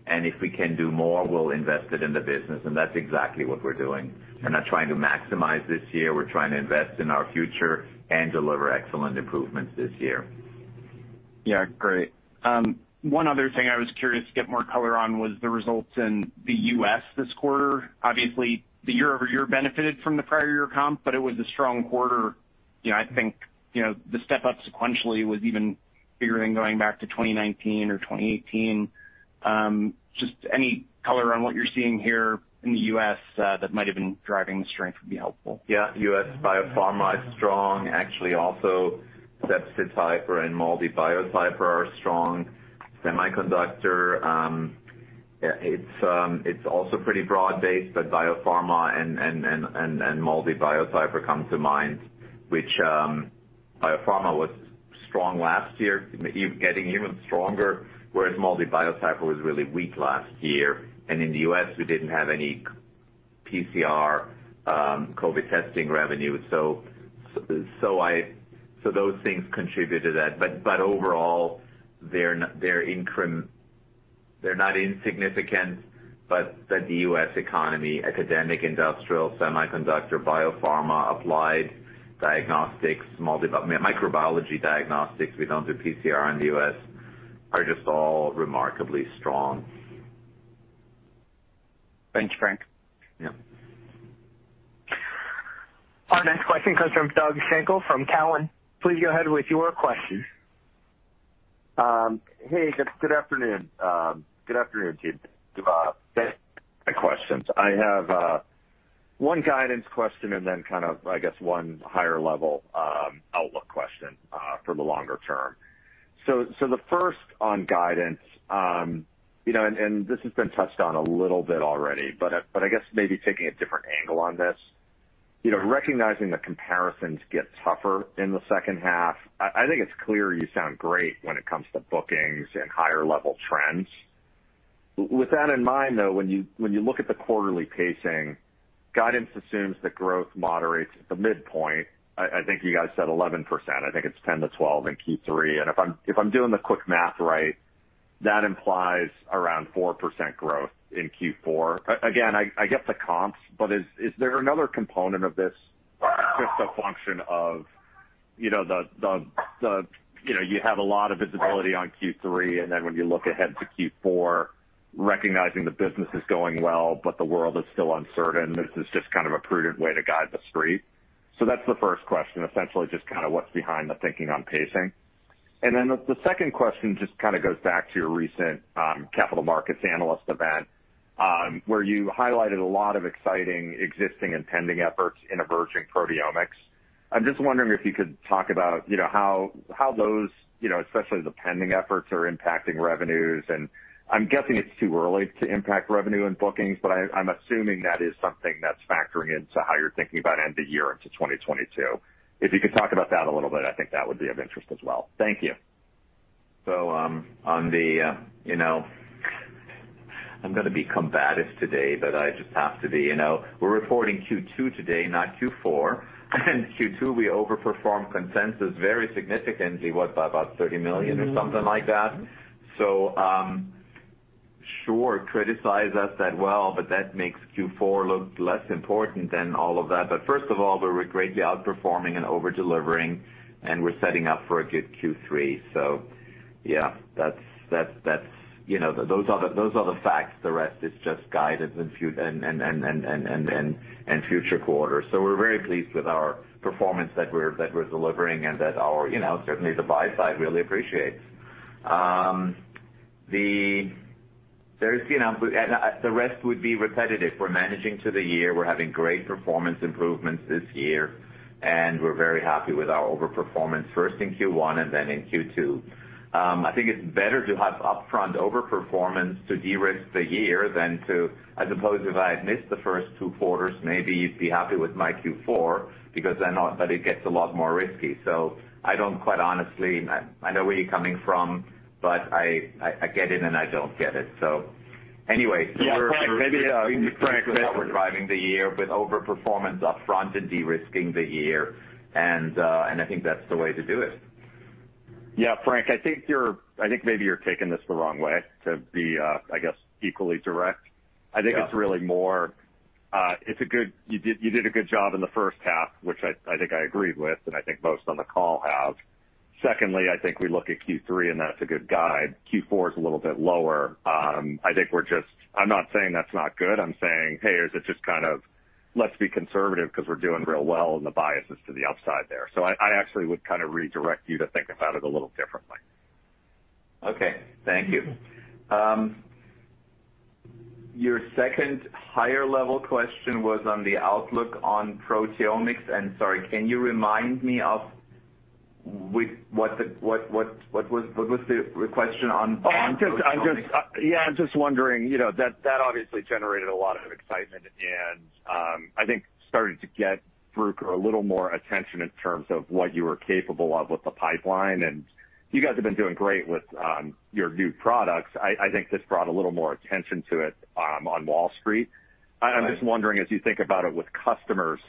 And if we can do more, we'll invest it in the business. And that's exactly what we're doing. We're not trying to maximize this year. We're trying to invest in our future and deliver excellent improvements this year. Yeah. Great. One other thing I was curious to get more color on was the results in the U.S. this quarter. Obviously, the year-over-year benefited from the prior year comp, but it was a strong quarter. I think the step-up sequentially was even bigger than going back to 2019 or 2018. Just any color on what you're seeing here in the U.S. that might have been driving the strength would be helpful. Yeah. US biopharma is strong. Actually, also Sepsityper and MALDI Biotyper are strong. Semiconductor, it's also pretty broad-based, but biopharma and MALDI Biotyper come to mind, which biopharma was strong last year, getting even stronger, whereas MALDI Biotyper was really weak last year. And in the US, we didn't have any PCR COVID testing revenue. So those things contributed to that. But overall, they're not insignificant, but the US economy, academic, industrial, semiconductor, biopharma, applied diagnostics, microbiology diagnostics—we don't do PCR in the US—are just all remarkably strong. Thank you, Frank. Yeah. Our next question comes from Doug Schenkel from Cowen. Please go ahead with your question. Hey. Good afternoon. Good afternoon, team. Goodbye. Questions? I have one guidance question and then kind of, I guess, one higher-level outlook question for the longer term. So the first on guidance, and this has been touched on a little bit already, but I guess maybe taking a different angle on this, recognizing that comparisons get tougher in the second half. I think it's clear you sound great when it comes to bookings and higher-level trends. With that in mind, though, when you look at the quarterly pacing, guidance assumes that growth moderates at the midpoint. I think you guys said 11%. I think it's 10%-12% in Q3, and if I'm doing the quick math right, that implies around 4% growth in Q4. Again, I get the comps, but is there another component of this just a function of the—you have a lot of visibility on Q3, and then when you look ahead to Q4, recognizing the business is going well, but the world is still uncertain, this is just kind of a prudent way to guide the street? So that's the first question, essentially, just kind of what's behind the thinking on pacing. And then the second question just kind of goes back to your recent capital markets analyst event, where you highlighted a lot of exciting existing and pending efforts in emerging proteomics. I'm just wondering if you could talk about how those, especially the pending efforts, are impacting revenues. And I'm guessing it's too early to impact revenue and bookings, but I'm assuming that is something that's factoring into how you're thinking about end of year into 2022. If you could talk about that a little bit, I think that would be of interest as well. Thank you. So on the, I'm going to be combative today, but I just have to be. We're reporting Q2 today, not Q4. And Q2, we overperformed consensus very significantly. It was by about $30 million or something like that. So sure, criticize us that well, but that makes Q4 look less important than all of that. But first of all, we were greatly outperforming and over-delivering, and we're setting up for a good Q3. So yeah, that's, those are the facts. The rest is just guidance and future quarters. So we're very pleased with our performance that we're delivering and that our, certainly, the buy side really appreciates. The rest would be repetitive. We're managing to the year. We're having great performance improvements this year, and we're very happy with our overperformance, first in Q1 and then in Q2. I think it's better to have upfront overperformance to de-risk the year than to- as opposed to if I had missed the first two quarters, maybe you'd be happy with my Q4 because then it gets a lot more risky. So I don't quite honestly- I know where you're coming from, but I get it and I don't get it. So anyway, we're- Yeah. Frank. Maybe Frank. We're driving the year with overperformance upfront and de-risking the year, and I think that's the way to do it. Yeah. Frank, I think maybe you're taking this the wrong way to be, I guess, equally direct. I think it's really more—you did a good job in the first half, which I think I agreed with, and I think most on the call have. Secondly, I think we look at Q3, and that's a good guide. Q4 is a little bit lower. I think we're just—I'm not saying that's not good. I'm saying, "Hey, is it just kind of let's be conservative because we're doing real well," and the bias is to the upside there. So I actually would kind of redirect you to think about it a little differently. Okay. Thank you. Your second higher-level question was on the outlook on proteomics. And sorry, can you remind me of what was the question on proteomics? Yeah. I'm just wondering. That obviously generated a lot of excitement and I think started to get Bruker a little more attention in terms of what you were capable of with the pipeline. And you guys have been doing great with your new products. I think this brought a little more attention to it on Wall Street. I'm just wondering, as you think about it with customers,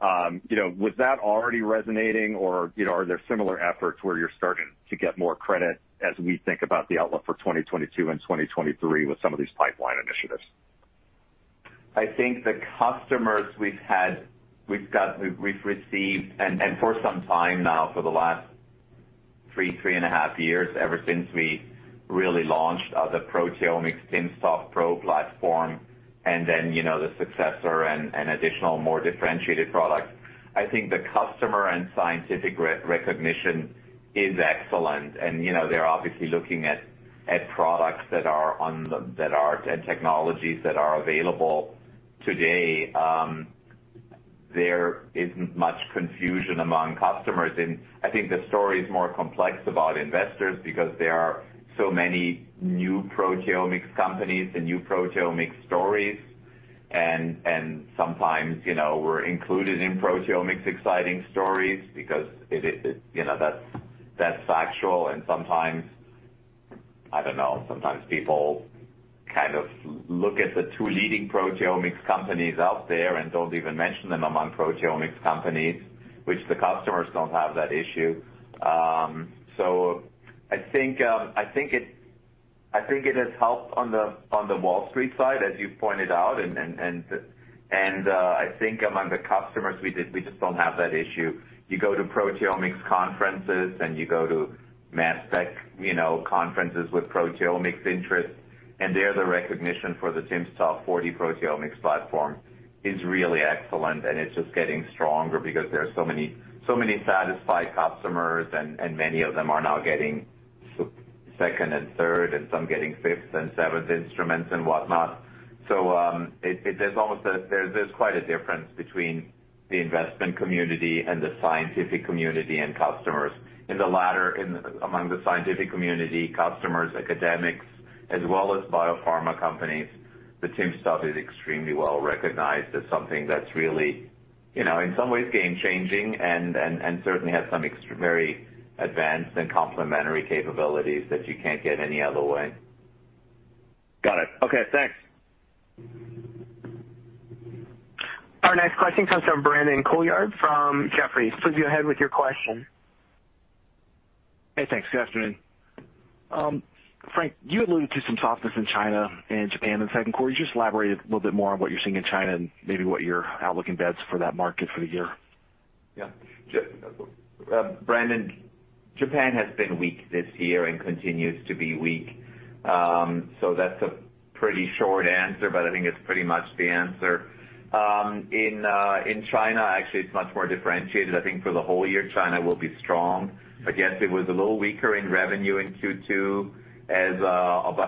was that already resonating, or are there similar efforts where you're starting to get more credit as we think about the outlook for 2022 and 2023 with some of these pipeline initiatives? I think the customers we've had, we've received and for some time now, for the last three, three and a half years, ever since we really launched the proteomics timsTOF Pro platform and then the successor and additional more differentiated products, I think the customer and scientific recognition is excellent. And they're obviously looking at products that are on the technologies that are available today. There isn't much confusion among customers. And I think the story is more complex about investors because there are so many new proteomics companies and new proteomics stories. And sometimes we're included in proteomics exciting stories because that's factual. And sometimes, I don't know, sometimes people kind of look at the two leading proteomics companies out there and don't even mention them among proteomics companies, which the customers don't have that issue. So I think it has helped on the Wall Street side, as you've pointed out. And I think among the customers, we just don't have that issue. You go to proteomics conferences and you go to mass spec conferences with proteomics interest, and there the recognition for the timsTOF Pro proteomics platform is really excellent. And it's just getting stronger because there are so many satisfied customers, and many of them are now getting second and third and some getting fifth and seventh instruments and whatnot. So there's quite a difference between the investment community and the scientific community and customers. In the latter, among the scientific community, customers, academics, as well as biopharma companies, the timsTOF is extremely well recognized. It's something that's really, in some ways, game-changing and certainly has some very advanced and complementary capabilities that you can't get any other way. Got it. Okay. Thanks. Our next question comes from Brandon Couillard from Jefferies. Please go ahead with your question. Hey, thanks. Good afternoon. Frank, you alluded to some softness in China and Japan in the second quarter. Could you just elaborate a little bit more on what you're seeing in China and maybe what your outlook embeds for that market for the year? Yeah. Brandon, Japan has been weak this year and continues to be weak. So that's a pretty short answer, but I think it's pretty much the answer. In China, actually, it's much more differentiated. I think for the whole year, China will be strong. But yes, it was a little weaker in revenue in Q2,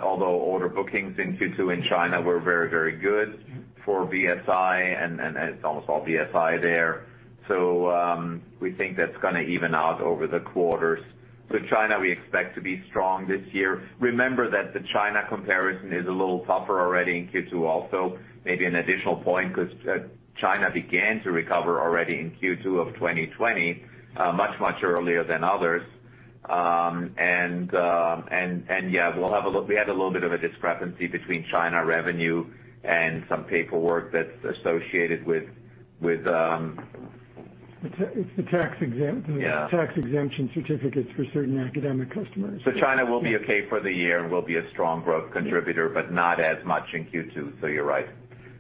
although order bookings in Q2 in China were very, very good for BSI, and it's almost all BSI there. So we think that's going to even out over the quarters. So China, we expect to be strong this year. Remember that the China comparison is a little tougher already in Q2 also. Maybe an additional point because China began to recover already in Q2 of 2020, much, much earlier than others. And yeah, we had a little bit of a discrepancy between China revenue and some paperwork that's associated with. It's the tax exemption certificates for certain academic customers. So China will be okay for the year and will be a strong growth contributor, but not as much in Q2. So you're right.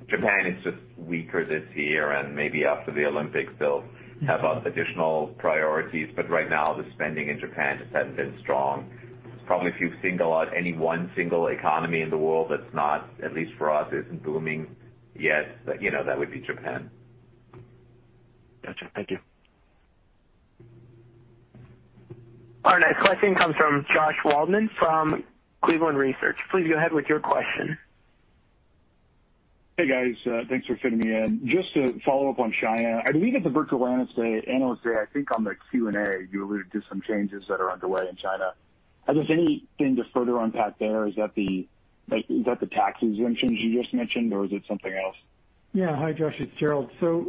Japan is just weaker this year, and maybe after the Olympics, they'll have additional priorities. But right now, the spending in Japan has been strong. It's probably if you've seen any one single economy in the world that's not, at least for us, isn't booming yet, that would be Japan. Gotcha. Thank you. Our next question comes from Josh Waldman from Cleveland Research. Please go ahead with your question. Hey, guys. Thanks for fitting me in. Just to follow up on China, I believe at the Bruker analyst day, I think on the Q&A, you alluded to some changes that are underway in China. Is there anything to further unpack there? Is that the tax exemptions you just mentioned, or is it something else? Yeah. Hi, Josh. It's Gerald. So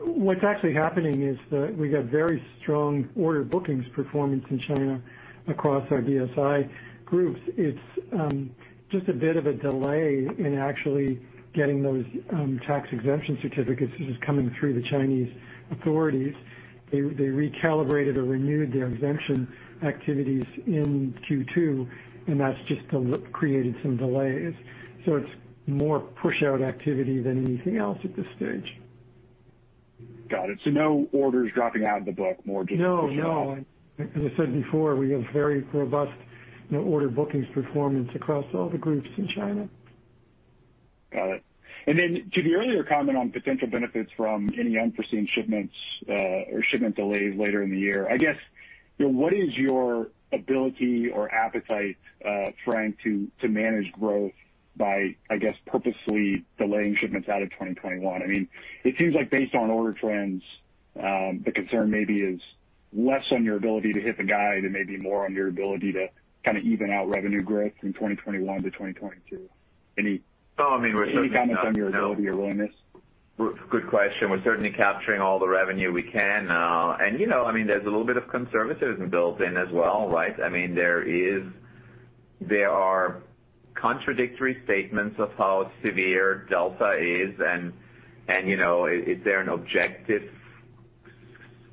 what's actually happening is that we got very strong order bookings performance in China across our BSI groups. It's just a bit of a delay in actually getting those tax exemption certificates that are coming through the Chinese authorities. They recalibrated or renewed their exemption activities in Q2, and that's just created some delays. So it's more push-out activity than anything else at this stage. Got it. So no orders dropping out of the book, more just push-out? No, no. As I said before, we have very robust order bookings performance across all the groups in China. Got it and then to the earlier comment on potential benefits from any unforeseen shipments or shipment delays later in the year, I guess, what is your ability or appetite, Frank, to manage growth by, I guess, purposely delaying shipments out of 2021? I mean, it seems like based on order trends, the concern maybe is less on your ability to hit the guide and maybe more on your ability to kind of even out revenue growth from 2021 to 2022. Any comments on your ability or willingness? Good question. We're certainly capturing all the revenue we can. And I mean, there's a little bit of conservatism built in as well, right? I mean, there are contradictory statements of how severe Delta is, and is there an objective?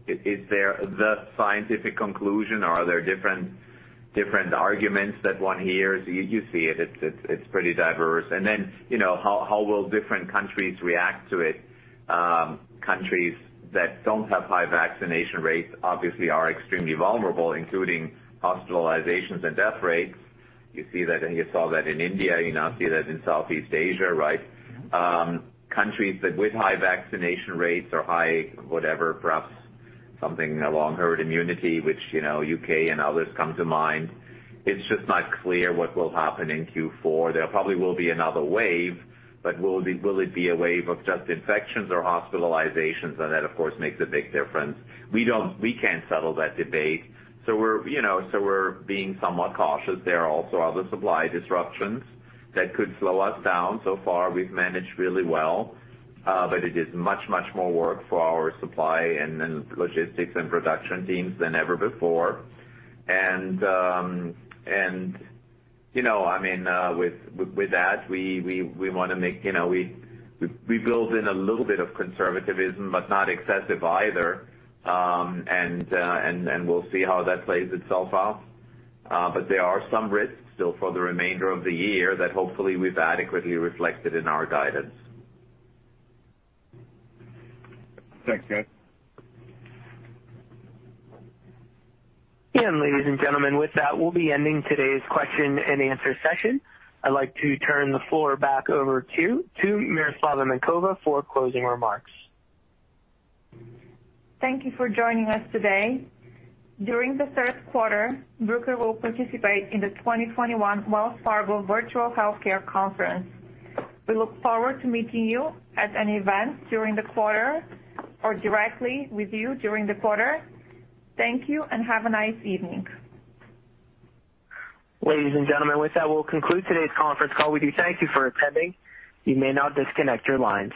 Is there the scientific conclusion, or are there different arguments that one hears? You see it. It's pretty diverse. And then how will different countries react to it? Countries that don't have high vaccination rates obviously are extremely vulnerable, including hospitalizations and death rates. You see that, and you saw that in India. You now see that in Southeast Asia, right? Countries with high vaccination rates or high, whatever, perhaps something along herd immunity, which U.K. and others come to mind. It's just not clear what will happen in Q4. There probably will be another wave, but will it be a wave of just infections or hospitalizations? That, of course, makes a big difference. We can't settle that debate. We're being somewhat cautious. There are also other supply disruptions that could slow us down. So far, we've managed really well, but it is much, much more work for our supply and logistics and production teams than ever before. I mean, with that, we want to make sure we build in a little bit of conservatism, but not excessive either. We'll see how that plays itself out. There are some risks still for the remainder of the year that hopefully we've adequately reflected in our guidance. Thanks, guys. And ladies and gentlemen, with that, we'll be ending today's question and answer session. I'd like to turn the floor back over to Miroslava Minkova for closing remarks. Thank you for joining us today. During the third quarter, Bruker will participate in the 2021 Wells Fargo Virtual Healthcare Conference. We look forward to meeting you at any event during the quarter or directly with you during the quarter. Thank you and have a nice evening. Ladies and gentlemen, with that, we'll conclude today's conference call. We do thank you for attending. You may now disconnect your lines.